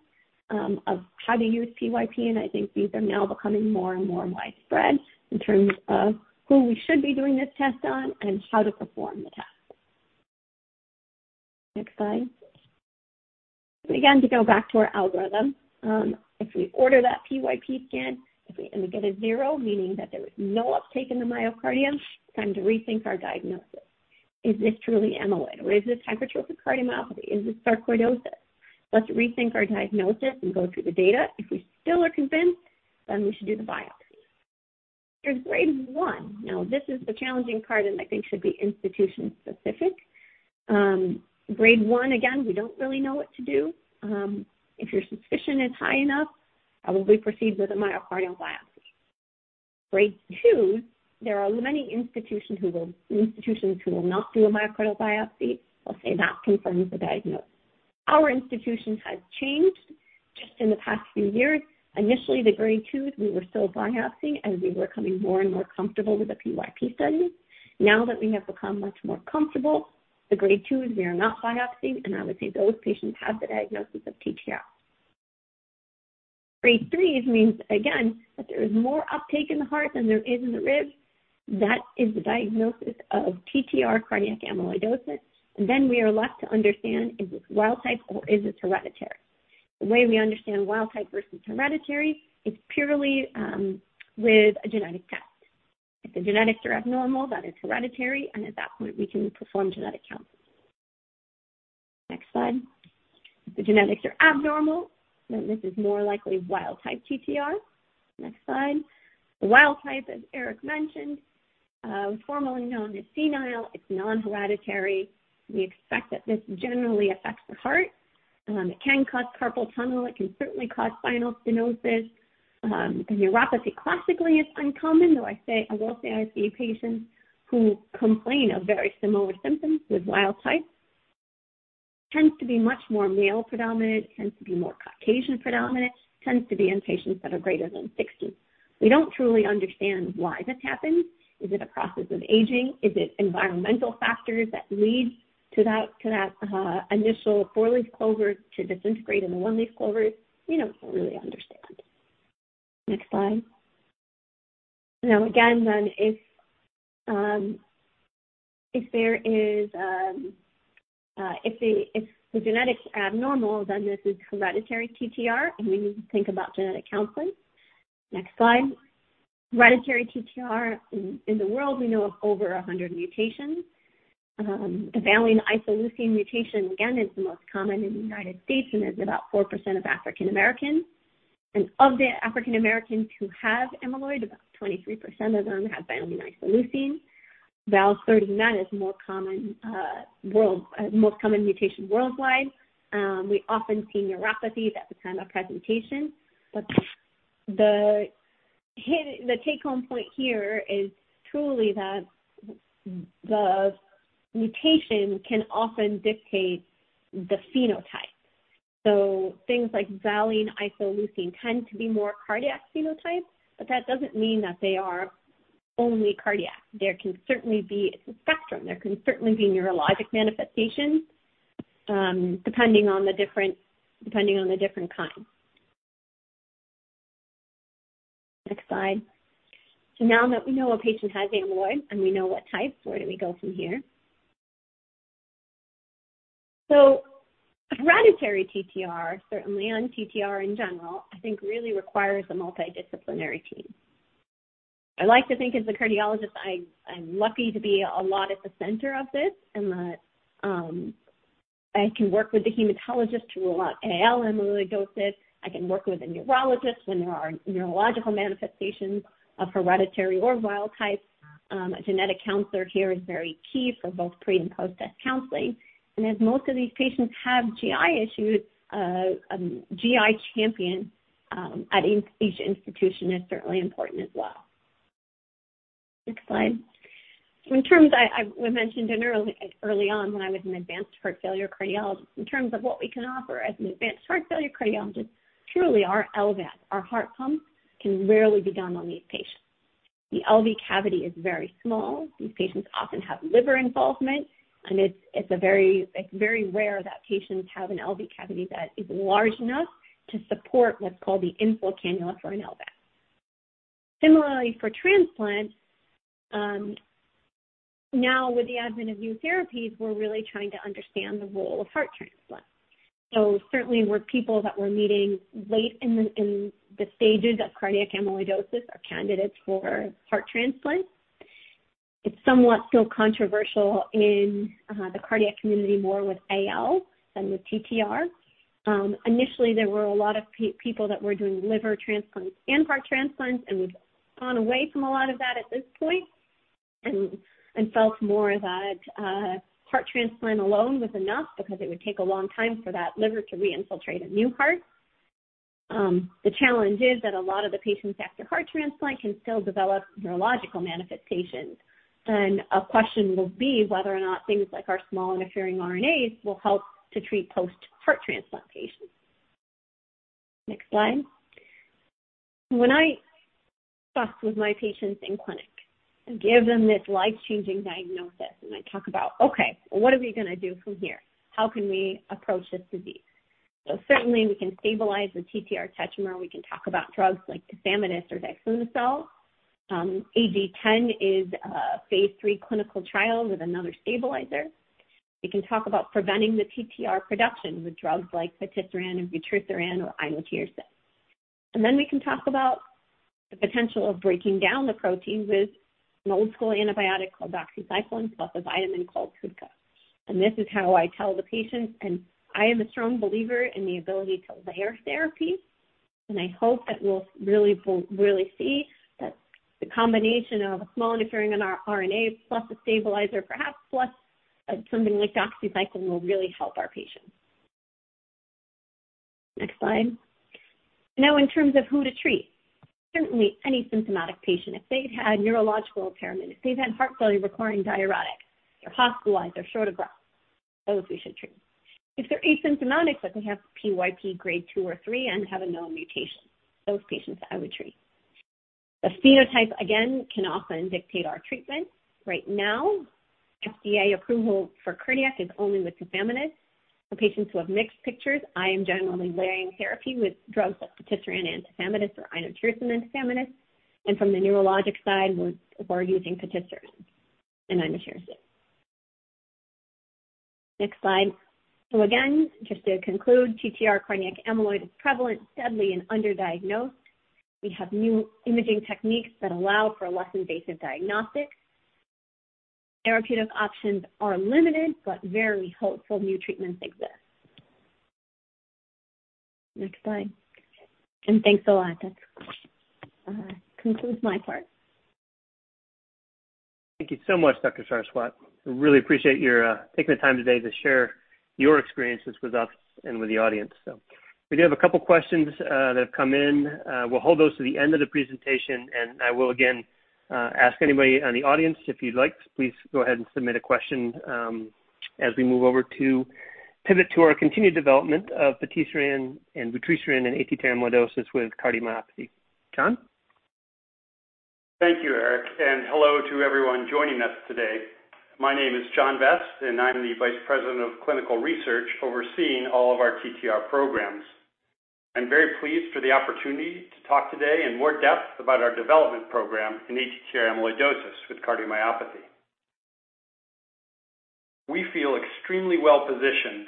of how to use PYP, and I think these are now becoming more and more widespread in terms of who we should be doing this test on and how to perform the test. Next slide. And again, to go back to our algorithm, if we order that PYP scan, if we end up getting a zero, meaning that there was no uptake in the myocardium, it's time to rethink our diagnosis. Is this truly amyloid, or is this hypertrophic cardiomyopathy? Is this sarcoidosis? Let's rethink our diagnosis and go through the data. If we still are convinced, then we should do the biopsy. There's grade one. Now, this is the challenging part, and I think should be institution-specific. Grade 1, again, we don't really know what to do. If your suspicion is high enough, probably proceed with a myocardial biopsy. Grade 2, there are many institutions who will not do a myocardial biopsy. We'll say that confirms the diagnosis. Our institution has changed just in the past few years. Initially, the grade 2s, we were still biopsying as we were coming more and more comfortable with the PYP studies. Now that we have become much more comfortable, the grade 2s, we are not biopsying, and I would say those patients have the diagnosis of TTR. Grade 3s means, again, that there is more uptake in the heart than there is in the rib. That is the diagnosis of TTR cardiac amyloidosis. And then we are left to understand, is this wild-type or is this hereditary? The way we understand wild type versus hereditary is purely with a genetic test. If the genetics are abnormal, that is hereditary, and at that point, we can perform genetic counseling. Next slide. If the genetics are normal, then this is more likely wild type TTR. Next slide. The wild type, as Eric mentioned, is formally known as senile. It's non-hereditary. We expect that this generally affects the heart. It can cause carpal tunnel. It can certainly cause spinal stenosis. The neuropathy classically is uncommon, though I will say I see patients who complain of very similar symptoms with wild type. It tends to be much more male predominant. It tends to be more Caucasian predominant. It tends to be in patients that are greater than 60. We don't truly understand why this happens. Is it a process of aging? Is it environmental factors that lead to that initial four-leaf clover to disintegrate into one-leaf clovers? We don't really understand. Next slide. Now, again, then if the genetics are abnormal, then this is hereditary TTR, and we need to think about genetic counseling. Next slide. Hereditary TTR, in the world, we know of over 100 mutations. The valine-to-isoleucine mutation, again, is the most common in the United States and is about 4% of African Americans. And of the African Americans who have amyloid, about 23% of them have valine-to-isoleucine. Val30M is the most common mutation worldwide. We often see neuropathies at the time of presentation, but the take-home point here is truly that the mutation can often dictate the phenotype. So things like valine-to-isoleucine tend to be more cardiac phenotypes, but that doesn't mean that they are only cardiac. There can certainly be. It's a spectrum. There can certainly be neurologic manifestations depending on the different kinds. Next slide. So now that we know a patient has amyloid and we know what type, where do we go from here? So hereditary TTR, certainly on TTR in general, I think really requires a multidisciplinary team. I like to think as a cardiologist, I'm lucky to be a lot at the center of this and that I can work with the hematologist to rule out AL amyloidosis. I can work with a neurologist when there are neurological manifestations of hereditary or wild-type. A genetic counselor here is very key for both pre- and post-test counseling, and as most of these patients have GI issues, a GI champion at each institution is certainly important as well. Next slide. In terms I mentioned early on when I was an advanced heart failure cardiologist, in terms of what we can offer as an advanced heart failure cardiologist, truly our LVADs, our heart pumps, can rarely be done on these patients. The LV cavity is very small. These patients often have liver involvement, and it's very rare that patients have an LV cavity that is large enough to support what's called the inflow cannula for an LVAD. Similarly, for transplants, now with the advent of new therapies, we're really trying to understand the role of heart transplant. So certainly, the people that we're meeting late in the stages of cardiac amyloidosis are candidates for heart transplant. It's somewhat still controversial in the cardiac community more with AL than with TTR. Initially, there were a lot of people that were doing liver transplants and heart transplants and would have gone away from a lot of that at this point and felt more that heart transplant alone was enough because it would take a long time for that liver to re-infiltrate a new heart. The challenge is that a lot of the patients after heart transplant can still develop neurological manifestations, and a question will be whether or not things like our small interfering RNAs will help to treat post-heart transplant patients. Next slide. When I talk with my patients in clinic and give them this life-changing diagnosis, and I talk about, "Okay, what are we going to do from here? How can we approach this disease?", so certainly, we can stabilize the TTR tetramer. We can talk about drugs like tafamidis or diflunisal AG10 is a phase 3 clinical trial with another stabilizer. We can talk about preventing the TTR production with drugs like patisiran or vutrisiran or inotersen. And then we can talk about the potential of breaking down the protein with an old-school antibiotic called doxycycline plus a vitamin called TUDCA. And this is how I tell the patients, and I am a strong believer in the ability to layer therapies. And I hope that we'll really see that the combination of a small interfering RNA plus a stabilizer, perhaps plus something like doxycycline, will really help our patients. Next slide. Now, in terms of who to treat, certainly any symptomatic patient, if they've had neurological impairment, if they've had heart failure requiring diuretics, they're hospitalized, they're short of breath, those we should treat. If they're asymptomatic, but they have PYP grade 2 or 3 and have a known mutation, those patients I would treat. The phenotype, again, can often dictate our treatment. Right now, FDA approval for cardiac is only with tafamidis. For patients who have mixed pictures, I am generally layering therapy with drugs like vutrisiran and tafamidis or inotersen and tafamidis. And from the neurologic side, we're using vutrisiran and inotersen. Next slide. So again, just to conclude, TTR cardiac amyloid is prevalent, deadly, and underdiagnosed. We have new imaging techniques that allow for less invasive diagnostics. Therapeutic options are limited, but very hopeful new treatments exist. Next slide. And thanks a lot. That concludes my part. Thank you so much, Dr. Sarswat. I really appreciate your taking the time today to share your experiences with us and with the audience. So we do have a couple of questions that have come in. We'll hold those to the end of the presentation, and I will again ask anybody in the audience, if you'd like, please go ahead and submit a question as we move over to pivot to our continued development of patisiran and vutrisiran and ATTR amyloidosis with cardiomyopathy. John? Thank you, Eric. And hello to everyone joining us today. My name is John Vest, and I'm the Vice President of Clinical Research overseeing all of our TTR programs. I'm very pleased for the opportunity to talk today in more depth about our development program in ATTR amyloidosis with cardiomyopathy. We feel extremely well-positioned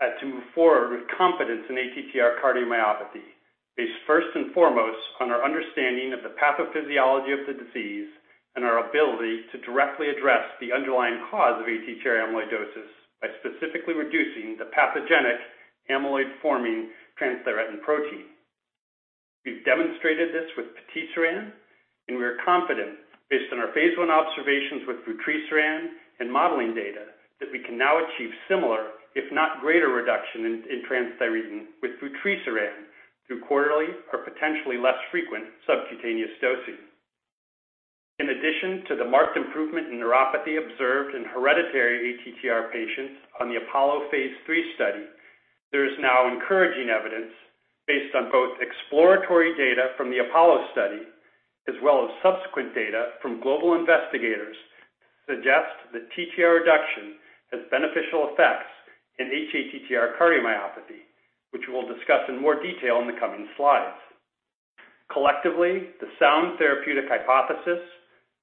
to move forward with competence in ATTR cardiomyopathy, based first and foremost on our understanding of the pathophysiology of the disease and our ability to directly address the underlying cause of ATTR amyloidosis by specifically reducing the pathogenic amyloid-forming transthyretin protein. We've demonstrated this with vutrisiran, and we are confident, based on our phase I observations with vutrisiran and modeling data, that we can now achieve similar, if not greater reduction in transthyretin with vutrisiran through quarterly or potentially less frequent subcutaneous dosing. In addition to the marked improvement in neuropathy observed in hereditary ATTR patients on the APOLLO phase III study, there is now encouraging evidence based on both exploratory data from the APOLLO study as well as subsequent data from global investigators to suggest that TTR reduction has beneficial effects in hATTR cardiomyopathy, which we'll discuss in more detail in the coming slides. Collectively, the sound therapeutic hypothesis,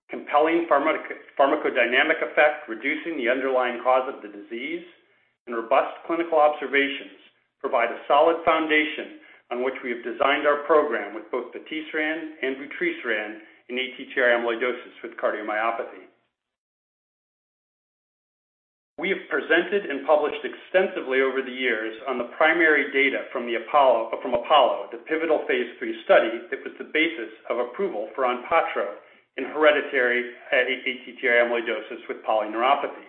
compelling pharmacodynamic effect reducing the underlying cause of the disease, and robust clinical observations provide a solid foundation on which we have designed our program with both patisiran and vutrisiran in ATTR amyloidosis with cardiomyopathy. We have presented and published extensively over the years on the primary data from APOLLO, the pivotal phase 3 study that was the basis of approval for ONPATTRO in hereditary ATTR amyloidosis with polyneuropathy.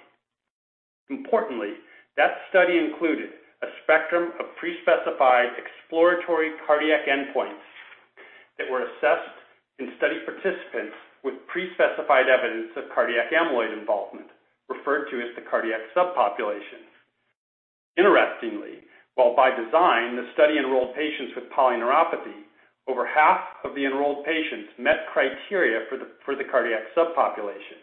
Importantly, that study included a spectrum of pre-specified exploratory cardiac endpoints that were assessed in study participants with pre-specified evidence of cardiac amyloid involvement, referred to as the cardiac subpopulation. Interestingly, while by design, the study enrolled patients with polyneuropathy, over half of the enrolled patients met criteria for the cardiac subpopulation,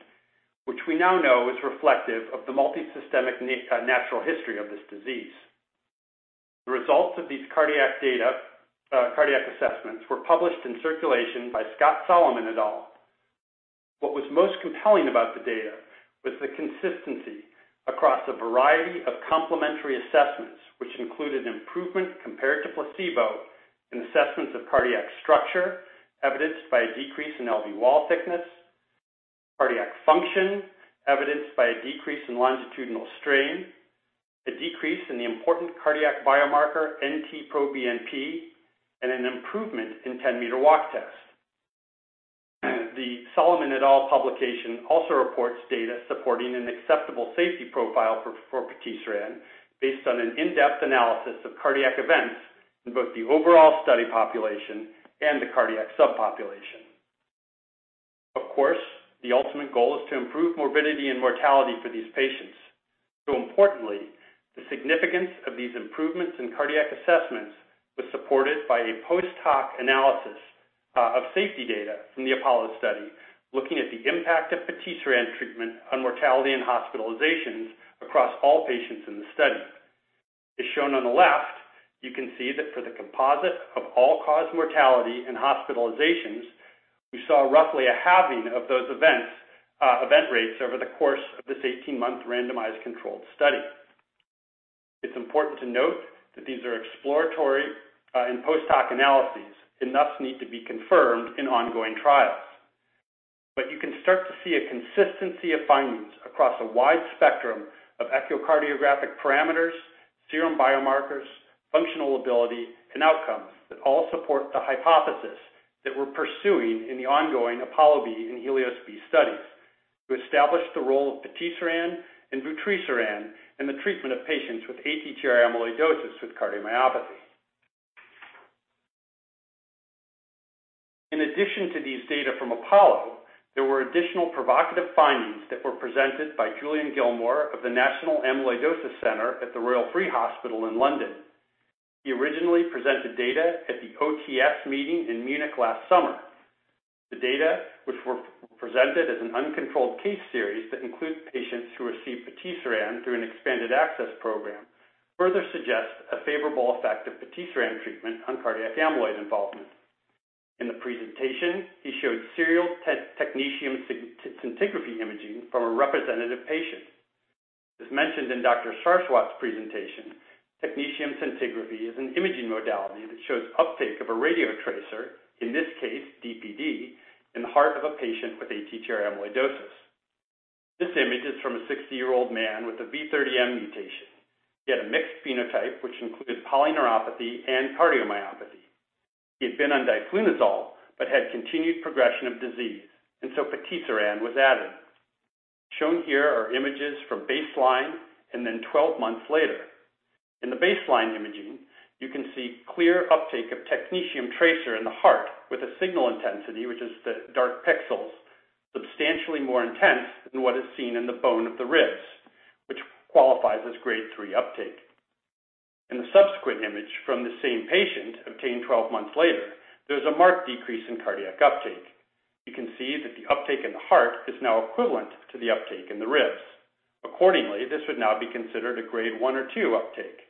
which we now know is reflective of the multisystemic natural history of this disease. The results of these cardiac assessments were published in Circulation by Scott Solomon et al. What was most compelling about the data was the consistency across a variety of complementary assessments, which included improvement compared to placebo in assessments of cardiac structure evidenced by a decrease in LV wall thickness, cardiac function evidenced by a decrease in longitudinal strain, a decrease in the important cardiac biomarker NT-proBNP, and an improvement in 10-meter walk test. The Solomon et al. publication also reports data supporting an acceptable safety profile for vutrisiran based on an in-depth analysis of cardiac events in both the overall study population and the cardiac subpopulation. Of course, the ultimate goal is to improve morbidity and mortality for these patients. Importantly, the significance of these improvements in cardiac assessments was supported by a post-hoc analysis of safety data from the APOLLO study looking at the impact of vutrisiran treatment on mortality and hospitalizations across all patients in the study. As shown on the left, you can see that for the composite of all-cause mortality and hospitalizations, we saw roughly a halving of those event rates over the course of this 18-month randomized controlled study. It's important to note that these are exploratory and post-hoc analyses and thus need to be confirmed in ongoing trials. You can start to see a consistency of findings across a wide spectrum of echocardiographic parameters, serum biomarkers, functional ability, and outcomes that all support the hypothesis that we're pursuing in the ongoing APOLLO-B and HELIOS-B studies to establish the role of patisiran and vutrisiran in the treatment of patients with ATTR amyloidosis with cardiomyopathy. In addition to these data from APOLLO, there were additional provocative findings that were presented by Julian Gilmore of the National Amyloidosis Center at the Royal Free Hospital in London. He originally presented data at the OTS meeting in Munich last summer. The data, which were presented as an uncontrolled case series that includes patients who receive patisiran through an expanded access program, further suggests a favorable effect of patisiran treatment on cardiac amyloid involvement. In the presentation, he showed serial technetium scintigraphy imaging from a representative patient. As mentioned in Dr. Sarswat's presentation, technetium scintigraphy is an imaging modality that shows uptake of a radiotracer, in this case, DPD, in the heart of a patient with ATTR amyloidosis. This image is from a 60-year-old man with a V30M mutation. He had a mixed phenotype which included polyneuropathy and cardiomyopathy. He had been on diflunisal but had continued progression of disease, and so patisiran was added. Shown here are images from baseline and then 12 months later. In the baseline imaging, you can see clear uptake of technetium tracer in the heart with a signal intensity, which is the dark pixels, substantially more intense than what is seen in the bone of the ribs, which qualifies as grade three uptake. In the subsequent image from the same patient obtained 12 months later, there is a marked decrease in cardiac uptake. You can see that the uptake in the heart is now equivalent to the uptake in the ribs. Accordingly, this would now be considered a grade one or two uptake.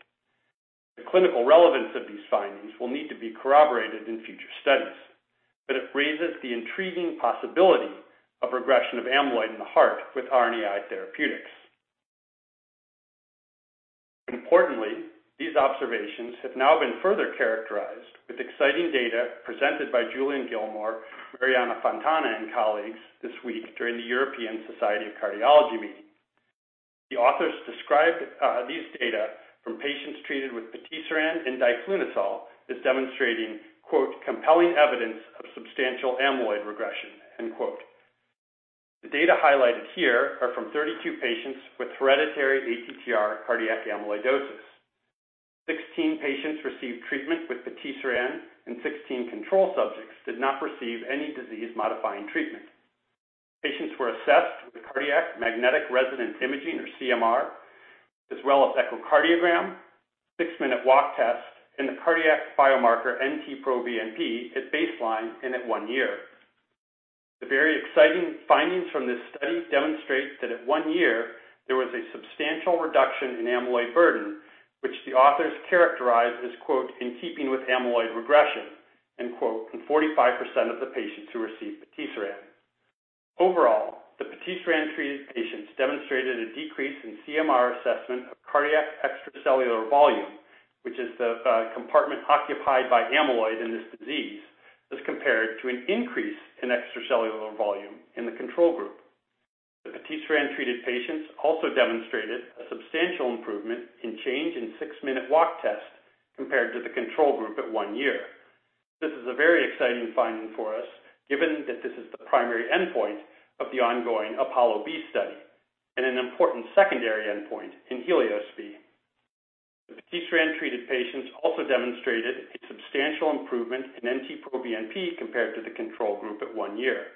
The clinical relevance of these findings will need to be corroborated in future studies, but it raises the intriguing possibility of regression of amyloid in the heart with RNAi therapeutics. Importantly, these observations have now been further characterized with exciting data presented by Julian Gilmore, Mariana Fontana, and colleagues this week during the European Society of Cardiology meeting. The authors described these data from patients treated with vutrisiran and diflunisal as demonstrating, quote, "compelling evidence of substantial amyloid regression," end quote. The data highlighted here are from 32 patients with hereditary ATTR cardiac amyloidosis. 16 patients received treatment with vutrisiran and 16 control subjects did not receive any disease-modifying treatment. Patients were assessed with cardiac magnetic resonance imaging or CMR, as well as echocardiogram, 6-minute walk test, and the cardiac biomarker NT-proBNP at baseline and at one year. The very exciting findings from this study demonstrate that at one year, there was a substantial reduction in amyloid burden, which the authors characterized as, quote, "in keeping with amyloid regression," end quote, in 45% of the patients who received vutrisiran. Overall, the vutrisiran-treated patients demonstrated a decrease in CMR assessment of cardiac extracellular volume, which is the compartment occupied by amyloid in this disease, as compared to an increase in extracellular volume in the control group. The vutrisiran-treated patients also demonstrated a substantial improvement in change in 6-minute walk test compared to the control group at one year. This is a very exciting finding for us, given that this is the primary endpoint of the ongoing APOLLO-B study and an important secondary endpoint in HELIOS-B. The patisiran-treated patients also demonstrated a substantial improvement in NT-proBNP compared to the control group at one year.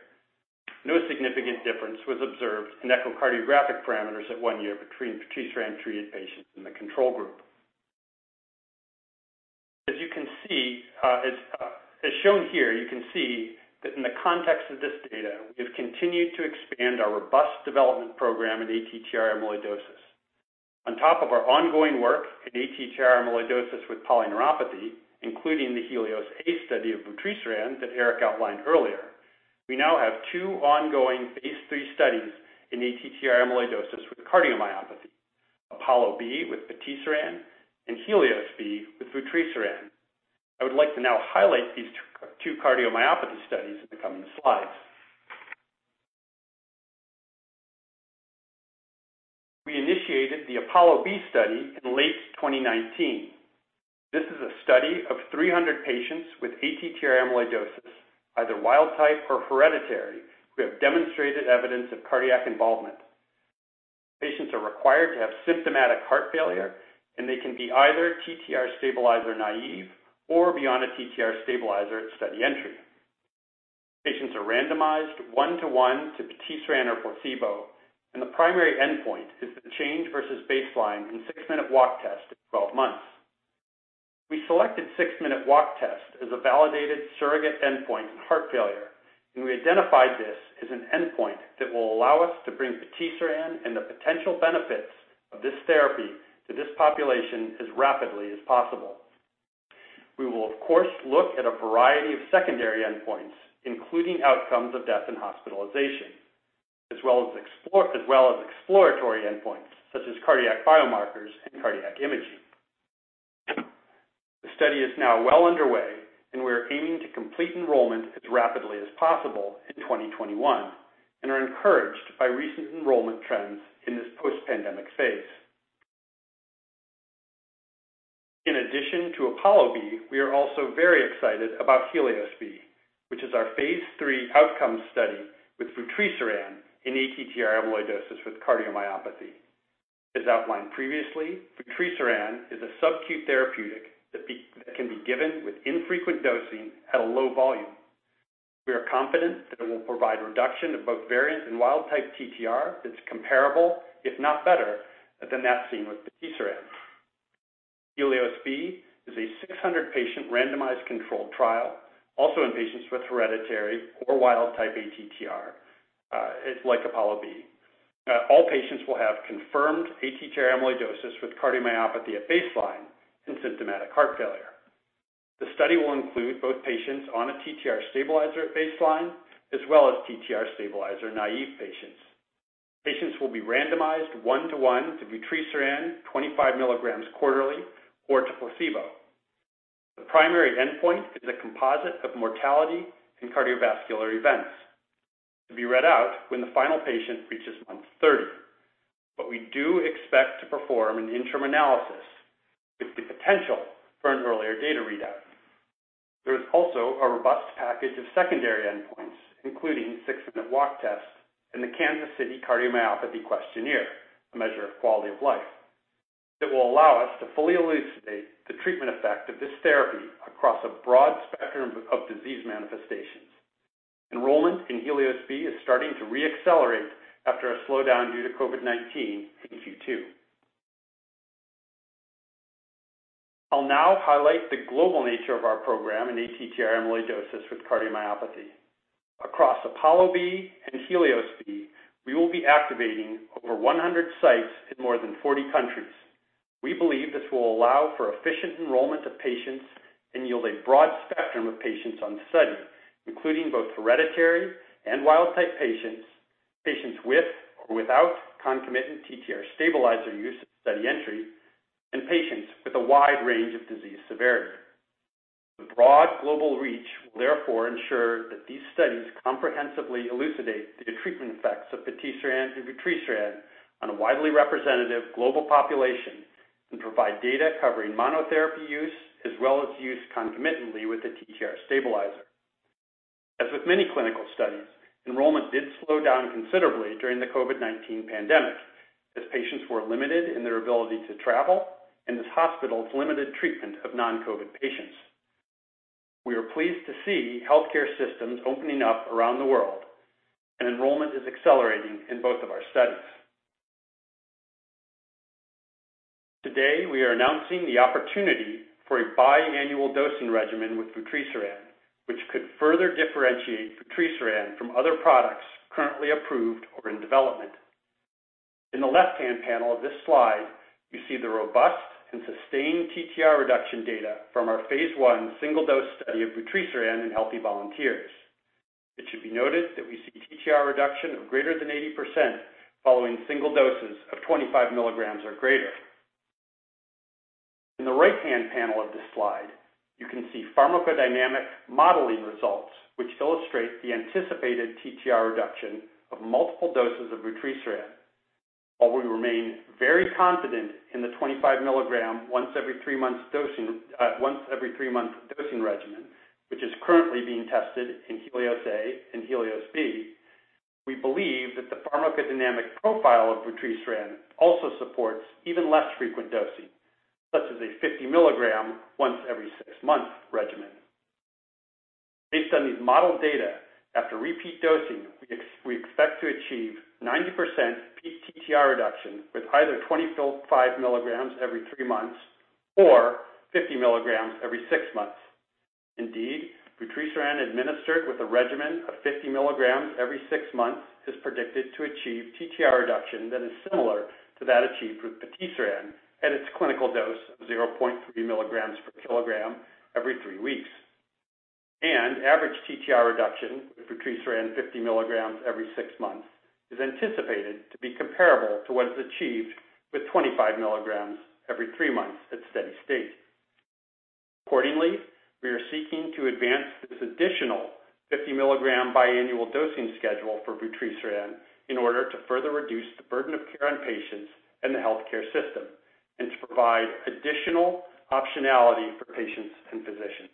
No significant difference was observed in echocardiographic parameters at one year between patisiran-treated patients and the control group. As you can see, as shown here, you can see that in the context of this data, we have continued to expand our robust development program in ATTR amyloidosis. On top of our ongoing work in ATTR amyloidosis with polyneuropathy, including the HELIOS-A study of vutrisiran that Eric outlined earlier, we now have two ongoing phase III studies in ATTR amyloidosis with cardiomyopathy: APOLLO-B with patisiran and HELIOS-B with vutrisiran. I would like to now highlight these two cardiomyopathy studies in the coming slides. We initiated the APOLLO-B study in late 2019. This is a study of 300 patients with ATTR amyloidosis, either wild-type or hereditary, who have demonstrated evidence of cardiac involvement. Patients are required to have symptomatic heart failure, and they can be either TTR stabilizer naive or be on a TTR stabilizer at study entry. Patients are randomized one-to-one to vutrisiran or placebo, and the primary endpoint is the change versus baseline in 6-minute walk test at 12 months. We selected 6-minute walk test as a validated surrogate endpoint in heart failure, and we identified this as an endpoint that will allow us to bring vutrisiran and the potential benefits of this therapy to this population as rapidly as possible. We will, of course, look at a variety of secondary endpoints, including outcomes of death and hospitalization, as well as exploratory endpoints such as cardiac biomarkers and cardiac imaging. The study is now well underway, and we are aiming to complete enrollment as rapidly as possible in 2021 and are encouraged by recent enrollment trends in this post-pandemic phase. In addition to APOLLO-B, we are also very excited about HELIOS-B, which is our phase 3 outcome study with vutrisiran in ATTR amyloidosis with cardiomyopathy. As outlined previously, vutrisiran is a subcutaneous therapeutic that can be given with infrequent dosing at a low volume. We are confident that it will provide reduction of both variant and wild-type TTR that's comparable, if not better, than that seen with patisiran. HELIOS-B is a 600-patient randomized controlled trial, also in patients with hereditary or wild-type ATTR, like APOLLO-B. All patients will have confirmed ATTR amyloidosis with cardiomyopathy at baseline and symptomatic heart failure. The study will include both patients on a TTR stabilizer at baseline as well as TTR stabilizer naive patients. Patients will be randomized one-to-one to vutrisiran 25 milligrams quarterly or to placebo. The primary endpoint is a composite of mortality and cardiovascular events to be read out when the final patient reaches month 30, but we do expect to perform an interim analysis with the potential for an earlier data readout. There is also a robust package of secondary endpoints, including 6-minute walk test and the Kansas City Cardiomyopathy Questionnaire, a measure of quality of life, that will allow us to fully elucidate the treatment effect of this therapy across a broad spectrum of disease manifestations. Enrollment in HELIOS-B is starting to re-accelerate after a slowdown due to COVID-19 in Q2. I'll now highlight the global nature of our program in ATTR amyloidosis with cardiomyopathy. Across APOLLO-B and HELIOS-B, we will be activating over 100 sites in more than 40 countries. We believe this will allow for efficient enrollment of patients and yield a broad spectrum of patients on study, including both hereditary and wild-type patients, patients with or without concomitant TTR stabilizer use at study entry, and patients with a wide range of disease severity. The broad global reach will therefore ensure that these studies comprehensively elucidate the treatment effects of patisiran and vutrisiran on a widely representative global population and provide data covering monotherapy use as well as use concomitantly with a TTR stabilizer. As with many clinical studies, enrollment did slow down considerably during the COVID-19 pandemic as patients were limited in their ability to travel and as hospitals limited treatment of non-COVID patients. We are pleased to see healthcare systems opening up around the world, and enrollment is accelerating in both of our studies. Today, we are announcing the opportunity for a biannual dosing regimen with vutrisiran, which could further differentiate vutrisiran from other products currently approved or in development. In the left-hand panel of this slide, you see the robust and sustained TTR reduction data from our phase I single-dose study of vutrisiran in healthy volunteers. It should be noted that we see TTR reduction of greater than 80% following single doses of 25 milligrams or greater. In the right-hand panel of this slide, you can see pharmacodynamic modeling results which illustrate the anticipated TTR reduction of multiple doses of vutrisiran. While we remain very confident in the 25-milligram once-every-three-month dosing regimen, which is currently being tested in HELIOS-A and HELIOS-B, we believe that the pharmacodynamic profile of vutrisiran also supports even less frequent dosing, such as a 50-milligram once-every-six-month regimen. Based on these modeled data, after repeat dosing, we expect to achieve 90% peak TTR reduction with either 25 milligrams every three months or 50 milligrams every six months. Indeed, vutrisiran administered with a regimen of 50 milligrams every six months is predicted to achieve TTR reduction that is similar to that achieved with patisiran... at its clinical dose of 0.3 milligrams per kilogram every three weeks, and average TTR reduction with vutrisiran 50 milligrams every six months is anticipated to be comparable to what is achieved with 25 milligrams every three months at steady state. Accordingly, we are seeking to advance this additional 50 milligram biannual dosing schedule for vutrisiran in order to further reduce the burden of care on patients and the healthcare system and to provide additional optionality for patients and physicians.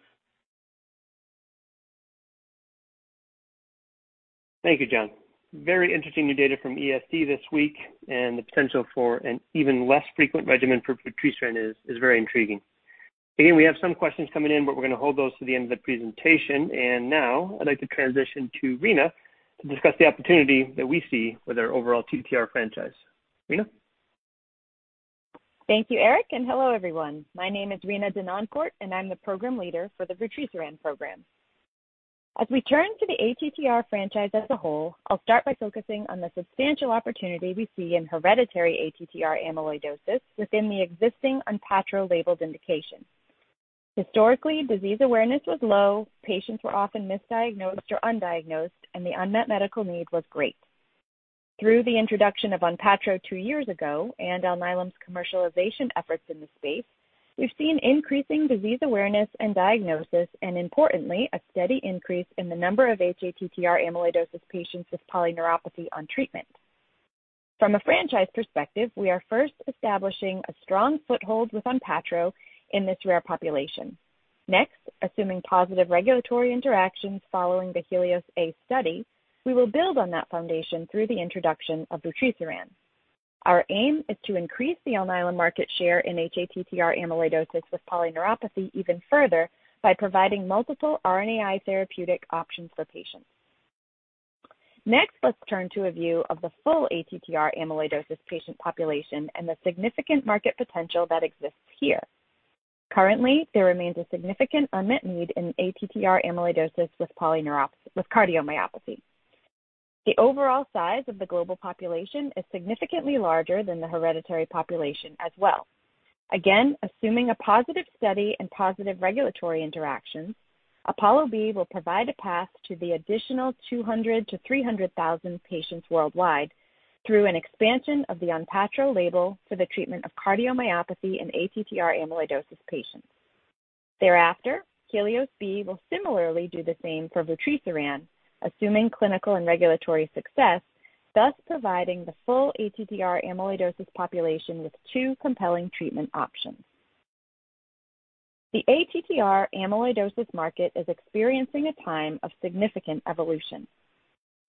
Thank you, John. Very interesting new data from ESC this week, and the potential for an even less frequent regimen for vutrisiran is very intriguing. Again, we have some questions coming in, but we're going to hold those to the end of the presentation. And now, I'd like to transition to Rena to discuss the opportunity that we see with our overall TTR franchise. Rena? Thank you, Eric, and hello, everyone. My name is Rena Denoncourt, and I'm the program leader for the vutrisiran program. As we turn to the ATTR franchise as a whole, I'll start by focusing on the substantial opportunity we see in hereditary ATTR amyloidosis within the existing ONPATTRO-labeled indication. Historically, disease awareness was low, patients were often misdiagnosed or undiagnosed, and the unmet medical need was great. Through the introduction of ONPATTRO two years ago and Alnylam's commercialization efforts in the space, we've seen increasing disease awareness and diagnosis, and importantly, a steady increase in the number of hATTR amyloidosis patients with polyneuropathy on treatment. From a franchise perspective, we are first establishing a strong foothold with ONPATTRO in this rare population. Next, assuming positive regulatory interactions following the HELIOS-A study, we will build on that foundation through the introduction of vutrisiran. Our aim is to increase the Alnylam market share in hATTR amyloidosis with polyneuropathy even further by providing multiple RNAi therapeutic options for patients. Next, let's turn to a view of the full ATTR amyloidosis patient population and the significant market potential that exists here. Currently, there remains a significant unmet need in ATTR amyloidosis with cardiomyopathy. The overall size of the global population is significantly larger than the hereditary population as well. Again, assuming a positive study and positive regulatory interactions, APOLLO-B will provide a path to the additional 200,000-300,000 patients worldwide through an expansion of the ONPATTRO label for the treatment of cardiomyopathy in ATTR amyloidosis patients. Thereafter, HELIOS-B will similarly do the same for vutrisiran, assuming clinical and regulatory success, thus providing the full ATTR amyloidosis population with two compelling treatment options. The ATTR amyloidosis market is experiencing a time of significant evolution.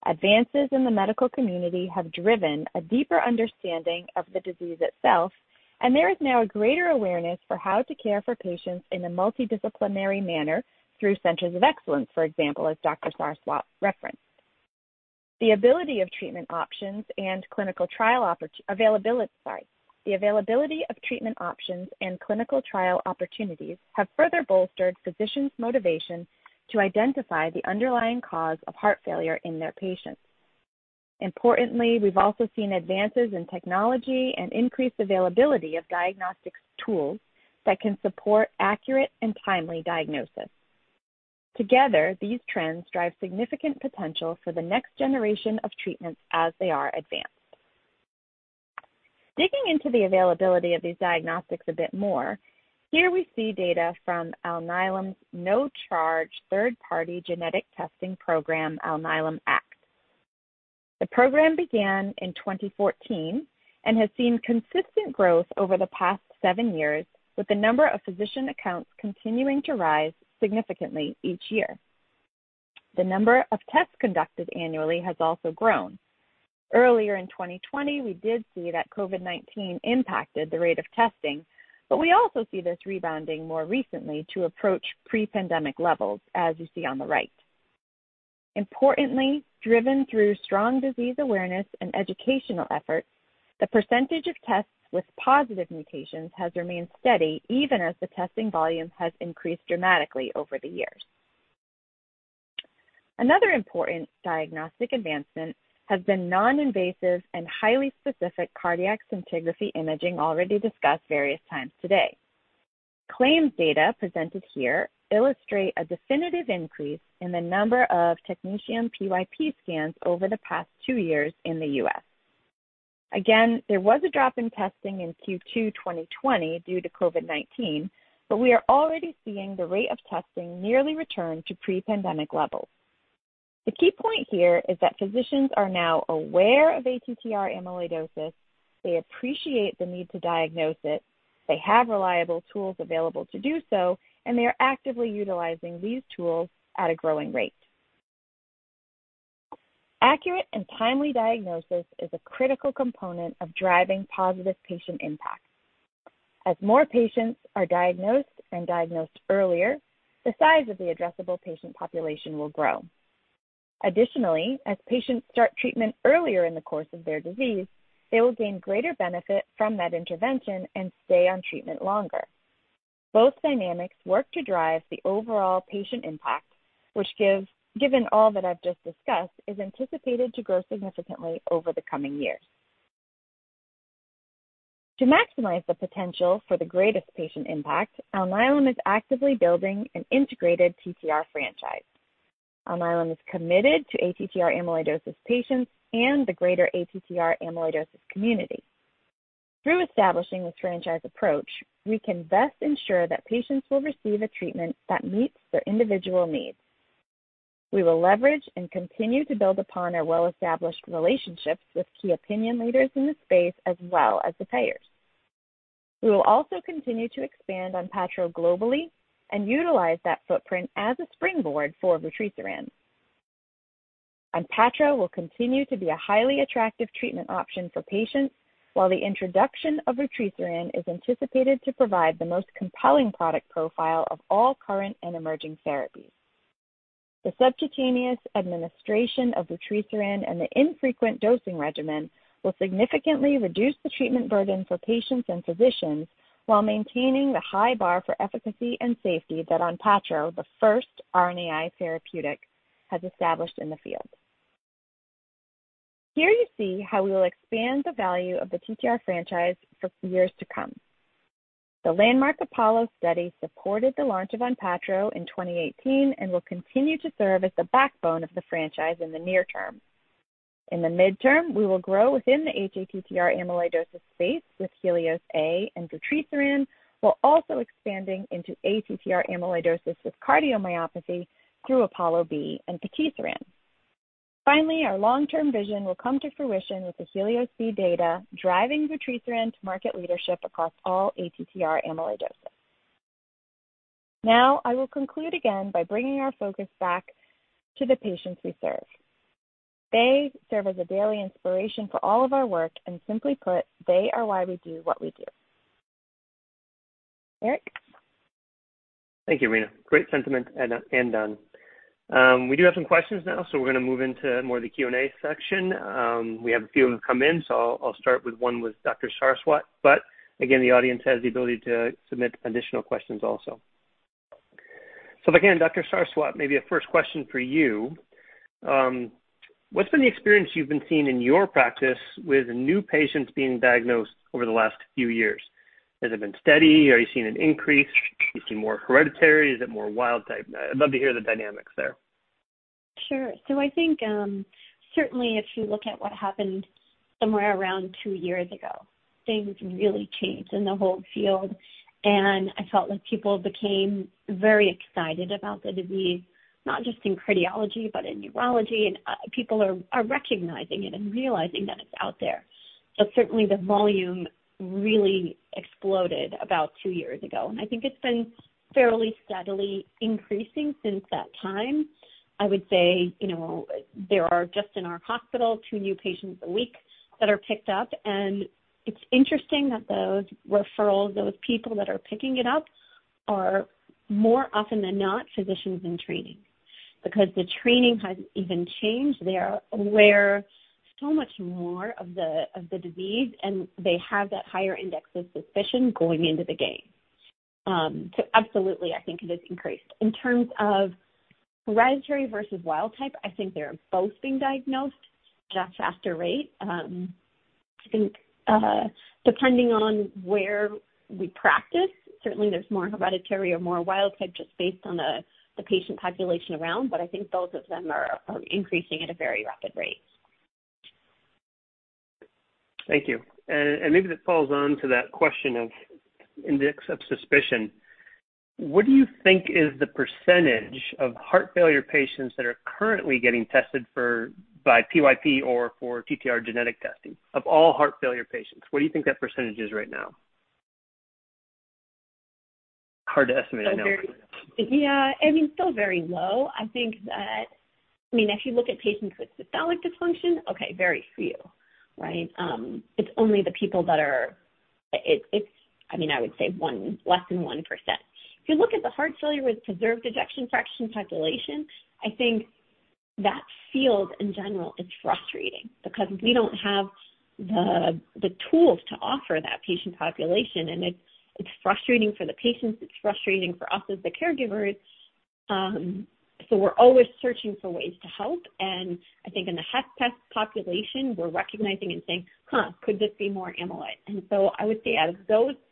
Advances in the medical community have driven a deeper understanding of the disease itself, and there is now a greater awareness for how to care for patients in a multidisciplinary manner through centers of excellence, for example, as Dr. Sarswat referenced. The ability of treatment options and clinical trial availability, sorry, the availability of treatment options and clinical trial opportunities have further bolstered physicians' motivation to identify the underlying cause of heart failure in their patients. Importantly, we've also seen advances in technology and increased availability of diagnostic tools that can support accurate and timely diagnosis. Together, these trends drive significant potential for the next generation of treatments as they are advanced. Digging into the availability of these diagnostics a bit more, here we see data from Alnylam's no-charge third-party genetic testing program, Alnylam Act. The program began in 2014 and has seen consistent growth over the past seven years, with the number of physician accounts continuing to rise significantly each year. The number of tests conducted annually has also grown. Earlier in 2020, we did see that COVID-19 impacted the rate of testing, but we also see this rebounding more recently to approach pre-pandemic levels, as you see on the right. Importantly, driven through strong disease awareness and educational efforts, the percentage of tests with positive mutations has remained steady even as the testing volume has increased dramatically over the years. Another important diagnostic advancement has been non-invasive and highly specific cardiac scintigraphy imaging already discussed various times today. Claims data presented here illustrate a definitive increase in the number of technetium PYP scans over the past two years in the U.S. Again, there was a drop in testing in Q2 2020 due to COVID-19, but we are already seeing the rate of testing nearly return to pre-pandemic levels. The key point here is that physicians are now aware of ATTR amyloidosis, they appreciate the need to diagnose it, they have reliable tools available to do so, and they are actively utilizing these tools at a growing rate. Accurate and timely diagnosis is a critical component of driving positive patient impact. As more patients are diagnosed and diagnosed earlier, the size of the addressable patient population will grow. Additionally, as patients start treatment earlier in the course of their disease, they will gain greater benefit from that intervention and stay on treatment longer. Both dynamics work to drive the overall patient impact, which, given all that I've just discussed, is anticipated to grow significantly over the coming years. To maximize the potential for the greatest patient impact, Alnylam is actively building an integrated TTR franchise. Alnylam is committed to ATTR amyloidosis patients and the greater ATTR amyloidosis community. Through establishing this franchise approach, we can best ensure that patients will receive a treatment that meets their individual needs. We will leverage and continue to build upon our well-established relationships with key opinion leaders in the space as well as the payers. We will also continue to expand ONPATTRO globally and utilize that footprint as a springboard for vutrisiran. ONPATTRO will continue to be a highly attractive treatment option for patients, w hile the introduction of vutrisiran is anticipated to provide the most compelling product profile of all current and emerging therapies. The subcutaneous administration of vutrisiran and the infrequent dosing regimen will significantly reduce the treatment burden for patients and physicians while maintaining the high bar for efficacy and safety that ONPATTRO, the first RNAi therapeutic, has established in the field. Here you see how we will expand the value of the TTR franchise for years to come. The landmark APOLLO study supported the launch of ONPATTRO in 2018 and will continue to serve as the backbone of the franchise in the near term. In the midterm, we will grow within the hATTR amyloidosis space with HELIOS-A and vutrisiran, while also expanding into ATTR amyloidosis with cardiomyopathy through APOLLO-B and vutrisiran. Finally, our long-term vision will come to fruition with the HELIOS-B data driving vutrisiran to market leadership across all ATTR amyloidosis. Now, I will conclude again by bringing our focus back to the patients we serve. They serve as a daily inspiration for all of our work, and simply put, they are why we do what we do. Eric? Thank you, Rena. Great sentiment, and now. We do have some questions now, so we're going to move into more of the Q&A section. We have a few that have come in, so I'll start with one with Dr. Sarswat, but again, the audience has the ability to submit additional questions also. So again, Dr. Sarswat, maybe a first question for you. What's been the experience you've been seeing in your practice with new patients being diagnosed over the last few years? Has it been steady? Are you seeing an increase? Do you see more hereditary? Is it more wild type? I'd love to hear the dynamics there. Sure. I think certainly if you look at what happened somewhere around two years ago, things really changed in the whole field, and I felt like people became very excited about the disease, not just in cardiology but in neurology, and people are recognizing it and realizing that it's out there. So certainly, the volume really exploded about two years ago, and I think it's been fairly steadily increasing since that time. I would say there are just in our hospital two new patients a week that are picked up, and it's interesting that those referrals, those people that are picking it up are more often than not physicians in training because the training has even changed. They are aware so much more of the disease, and they have that higher index of suspicion going into the game. So absolutely, I think it has increased. In terms of hereditary versus wild-type, I think they're both being diagnosed just as fast a rate. I think depending on where we practice, certainly there's more hereditary or more wild-type just based on the patient population around, but I think both of them are increasing at a very rapid rate. Thank you. And maybe that falls into that question of index of suspicion. What do you think is the percentage of heart failure patients that are currently getting tested by PYP or for TTR genetic testing of all heart failure patients? What do you think that percentage is right now? Hard to estimate right now. Yeah. I mean, still very low. I think that, I mean, if you look at patients with systolic dysfunction, okay, very few, right? It's only the people that are. I mean, I would say less than 1%. If you look at the heart failure with preserved ejection fraction population, I think that field in general is frustrating because we don't have the tools to offer that patient population, and it's frustrating for the patients. It's frustrating for us as the caregivers. So we're always searching for ways to help, and I think in the HFpEF population we're recognizing and saying, "Huh, could this be more amyloid?" And so I would say out of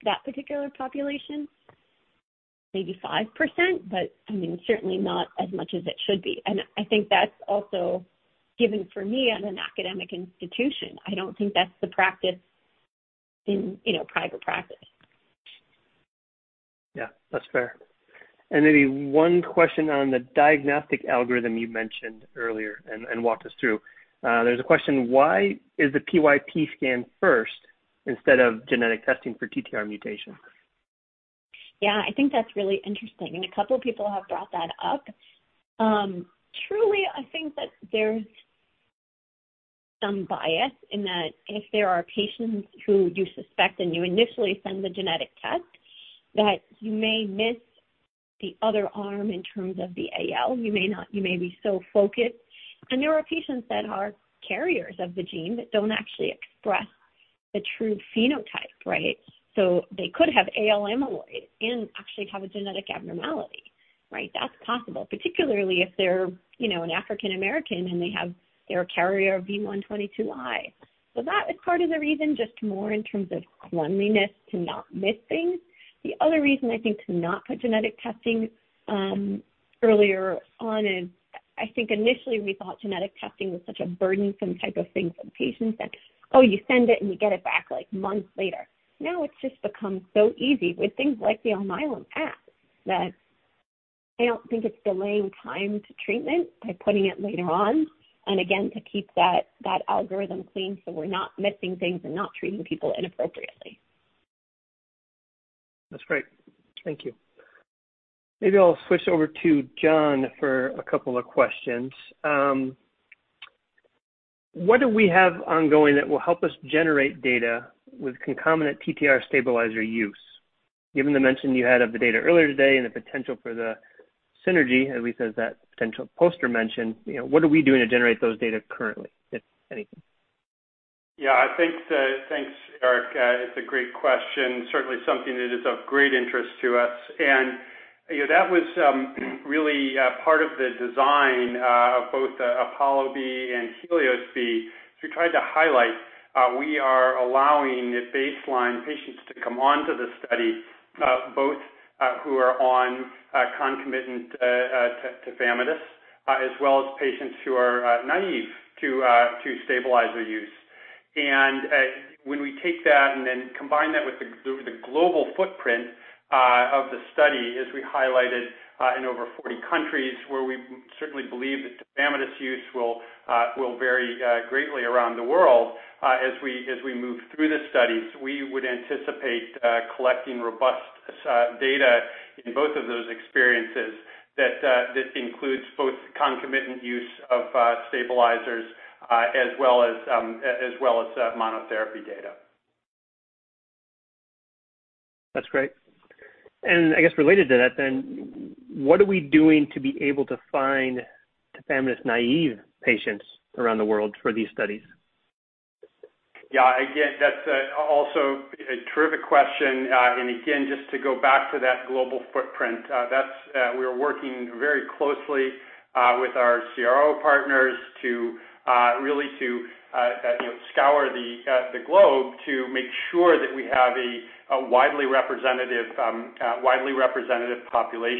that particular population, maybe 5%, but I mean, certainly not as much as it should be. And I think that's also given for me at an academic institution. I don't think that's the practice in private practice. Yeah. That's fair. And maybe one question on the diagnostic algorithm you mentioned earlier and walked us through. There's a question, why is the PYP scan first instead of genetic testing for TTR mutation? Yeah. I think that's really interesting, and a couple of people have brought that up. Truly, I think that there's some bias in that if there are patients who you suspect and you initially send the genetic test, that you may miss the other arm in terms of the AL. You may be so focused, and there are patients that are carriers of the gene that don't actually express the true phenotype, right? So they could have AL amyloid and actually have a genetic abnormality, right? That's possible, particularly if they're an African American and they're carriers of V122I. So that is part of the reason, just more in terms of cleanliness to not miss things. The other reason I think to not put genetic testing earlier on is I think initially we thought genetic testing was such a burdensome type of thing for patients that, "Oh, you send it and you get it back like months later." Now it's just become so easy with things like the Alnylam Act that I don't think it's delaying time to treatment by putting it later on and again to keep that algorithm clean so we're not missing things and not treating people inappropriately. That's great. Thank you. Maybe I'll switch over to John for a couple of questions. What do we have ongoing that will help us generate data with concomitant TTR stabilizer use? Given the mention you had of the data earlier today and the potential for the synergy, at least as that potential poster mentioned, what are we doing to generate those data currently, if anything? Yeah. I think. Thanks, Eric. It's a great question. Certainly something that is of great interest to us. And that was really part of the design of both APOLLO-B and HELIOS-B. So we tried to highlight, we are allowing baseline patients to come onto the study, both who are on concomitant tafamidis as well as patients who are naive to stabilizer use. And when we take that and then combine that with the global footprint of the study, as we highlighted in over 40 countries where we certainly believe that tafamidis use will vary greatly around the world as we move through the studies, we would anticipate collecting robust data in both of those experiences that includes both concomitant use of stabilizers as well as monotherapy data. That's great. And I guess related to that then, what are we doing to be able to find tafamidis-naive patients around the world for these studies? Yeah. Again, that's also a terrific question. And again, just to go back to that global footprint, we are working very closely with our CRO partners really to scour the globe to make sure that we have a widely representative population.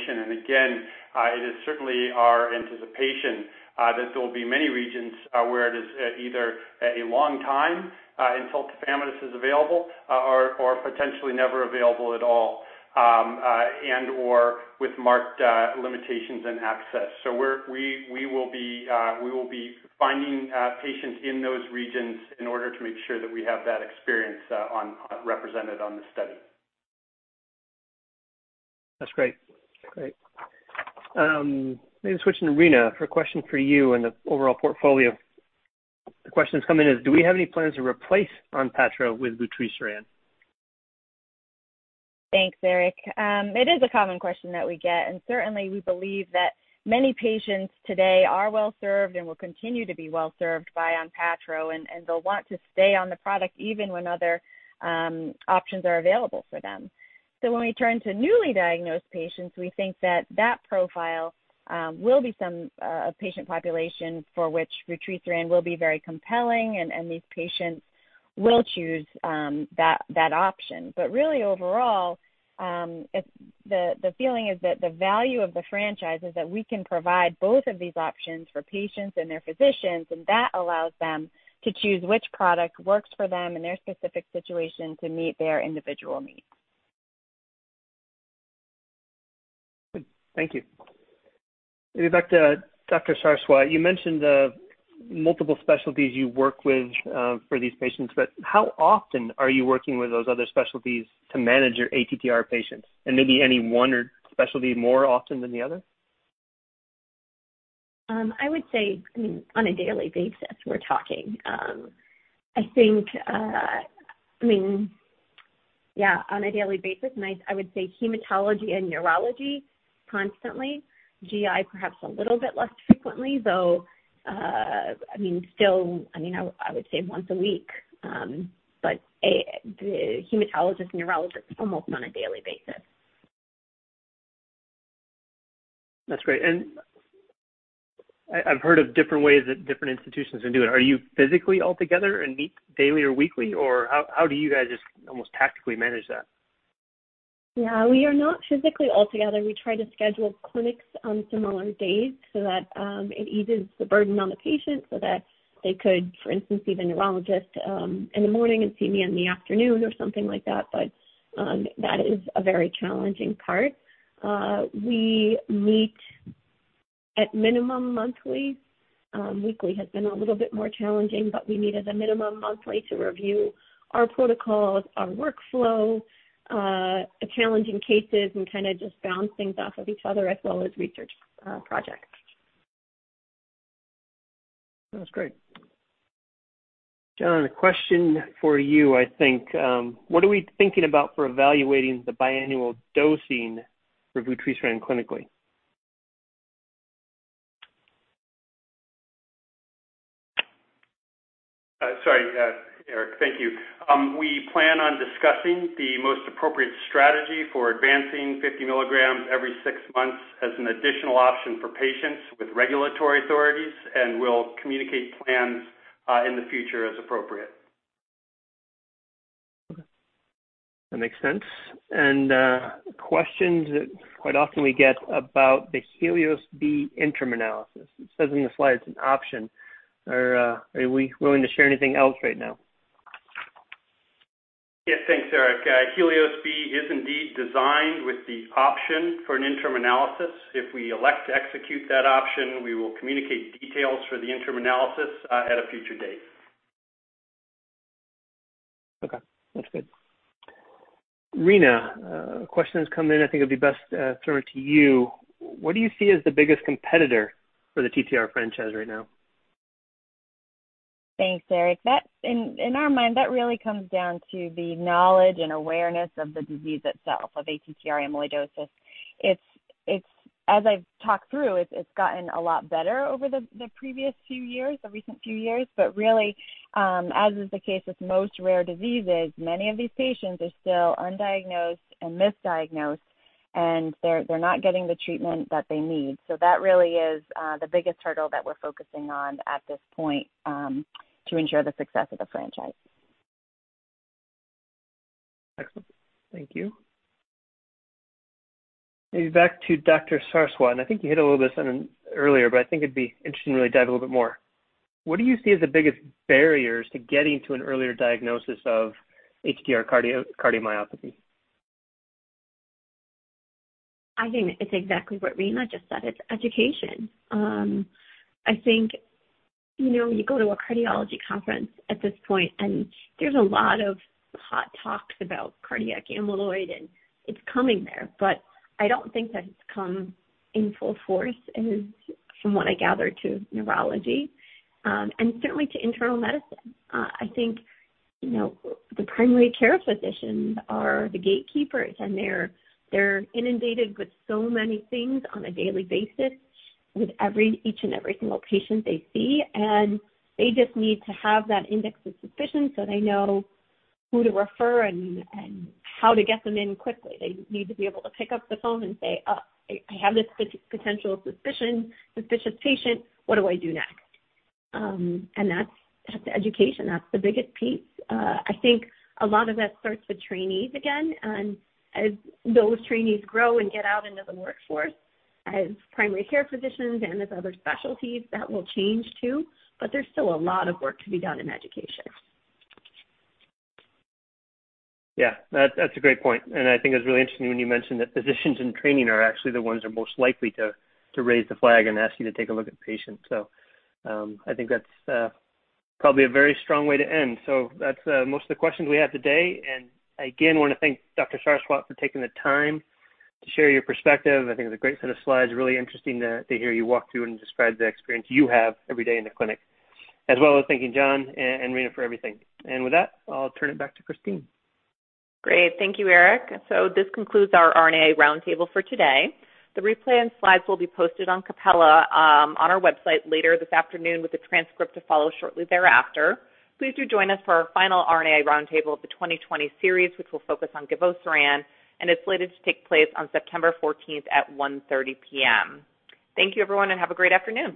And again, it is certainly our anticipation that there will be many regions where it is either a long time until tafamidis is available or potentially never available at all and/or with marked limitations in access. So we will be finding patients in those regions in order to make sure that we have that experience represented on the study. That's great. Great. Maybe switching to Rena for a question for you and the overall portfolio. The question that's coming in is, do we have any plans to replace ONPATTRO with vutrisiran? Thanks, Eric. It is a common question that we get, and certainly we believe that many patients today are well served and will continue to be well served by ONPATTRO, and they'll want to stay on the product even when other options are available for them. So when we turn to newly diagnosed patients, we think that that profile will be some patient population for which vutrisiran will be very compelling, and these patients will choose that option. But really, overall, the feeling is that the value of the franchise is that we can provide both of these options for patients and their physicians, and that allows them to choose which product works for them in their specific situation to meet their individual needs. Thank you. Maybe back to Dr. Sarswat. You mentioned multiple specialties you work with for these patients, but how often are you working with those other specialties to manage your ATTR patients? And maybe any one specialty more often than the other? I would say, I mean, on a daily basis, we're talking. I think, I mean, yeah, on a daily basis, and I would say hematology and urology constantly. GI perhaps a little bit less frequently, though, I mean, still, I mean, I would say once a week, but the hematologist and urologist almost on a daily basis. That's great. And I've heard of different ways that different institutions can do it. Are you physically altogether and meet daily or weekly, or how do you guys just almost tactically manage that? Yeah. We are not physically altogether. We try to schedule clinics on similar days so that it eases the burden on the patient so that they could, for instance, see the neurologist in the morning and see me in the afternoon or something like that, but that is a very challenging part. We meet at minimum monthly. Weekly has been a little bit more challenging, but we meet at a minimum monthly to review our protocols, our workflow, the challenging cases, and kind of just bounce things off of each other as well as research projects. That's great. John, a question for you, I think. What are we thinking about for evaluating the biannual dosing for vutrisiran clinically? Sorry, Eric. Thank you. We plan on discussing the most appropriate strategy for advancing 50 milligrams every six months as an additional option for patients with regulatory authorities, and we'll communicate plans in the future as appropriate. Okay. That makes sense. And questions that quite often we get about the HELIOS-B interim analysis. It says in the slide it's an option. Are we willing to share anything else right now? Yes. Thanks, Eric. HELIOS-B is indeed designed with the option for an interim analysis. If we elect to execute that option, we will communicate details for the interim analysis at a future date. Okay. That's good. Rena, questions come in. I think it'd be best to turn it to you. What do you see as the biggest competitor for the TTR franchise right now? Thanks, Eric. In our mind, that really comes down to the knowledge and awareness of the disease itself, of ATTR amyloidosis. As I've talked through, it's gotten a lot better over the previous few years, the recent few years, but really, as is the case with most rare diseases, many of these patients are still undiagnosed and misdiagnosed, and they're not getting the treatment that they need. So that really is the biggest hurdle that we're focusing on at this point to ensure the success of the franchise. Excellent. Thank you. Maybe back to Dr. Sarswat. And I think you hit a little bit on it earlier, but I think it'd be interesting to really dive a little bit more. What do you see as the biggest barriers to getting to an earlier diagnosis of ATTR cardiomyopathy? I think it's exactly what Rena just said. It's education. I think you go to a cardiology conference at this point, and there's a lot of hot talks about cardiac amyloid, and it's coming there, but I don't think that it's come in full force, from what I gather, to neurology and certainly to internal medicine. I think the primary care physicians are the gatekeepers, and they're inundated with so many things on a daily basis with each and every single patient they see, and they just need to have that index of suspicion so they know who to refer and how to get them in quickly. They need to be able to pick up the phone and say, "Oh, I have this potential suspicious patient. What do I do next?", and that's education. That's the biggest piece. I think a lot of that starts with trainees again, and as those trainees grow and get out into the workforce as primary care physicians and as other specialties, that will change too, but there's still a lot of work to be done in education. Yeah. That's a great point. And I think it's really interesting when you mentioned that physicians in training are actually the ones who are most likely to raise the flag and ask you to take a look at the patient. So I think that's probably a very strong way to end. So that's most of the questions we have today. And again, I want to thank Dr. Sarswat for taking the time to share your perspective. I think it was a great set of slides. Really interesting to hear you walk through and describe the experience you have every day in the clinic, as well as thanking John and Rena for everything. And with that, I'll turn it back to Christine. Great. Thank you, Eric. So this concludes our RNA roundtable for today. The replay and slides will be posted on Capella on our website later this afternoon with a transcript to follow shortly thereafter. Please do join us for our final RNA roundtable of the 2020 series, which will focus on givosiran, and it's slated to take place on September 14th at 1:30 P.M. Thank you, everyone, and have a great afternoon.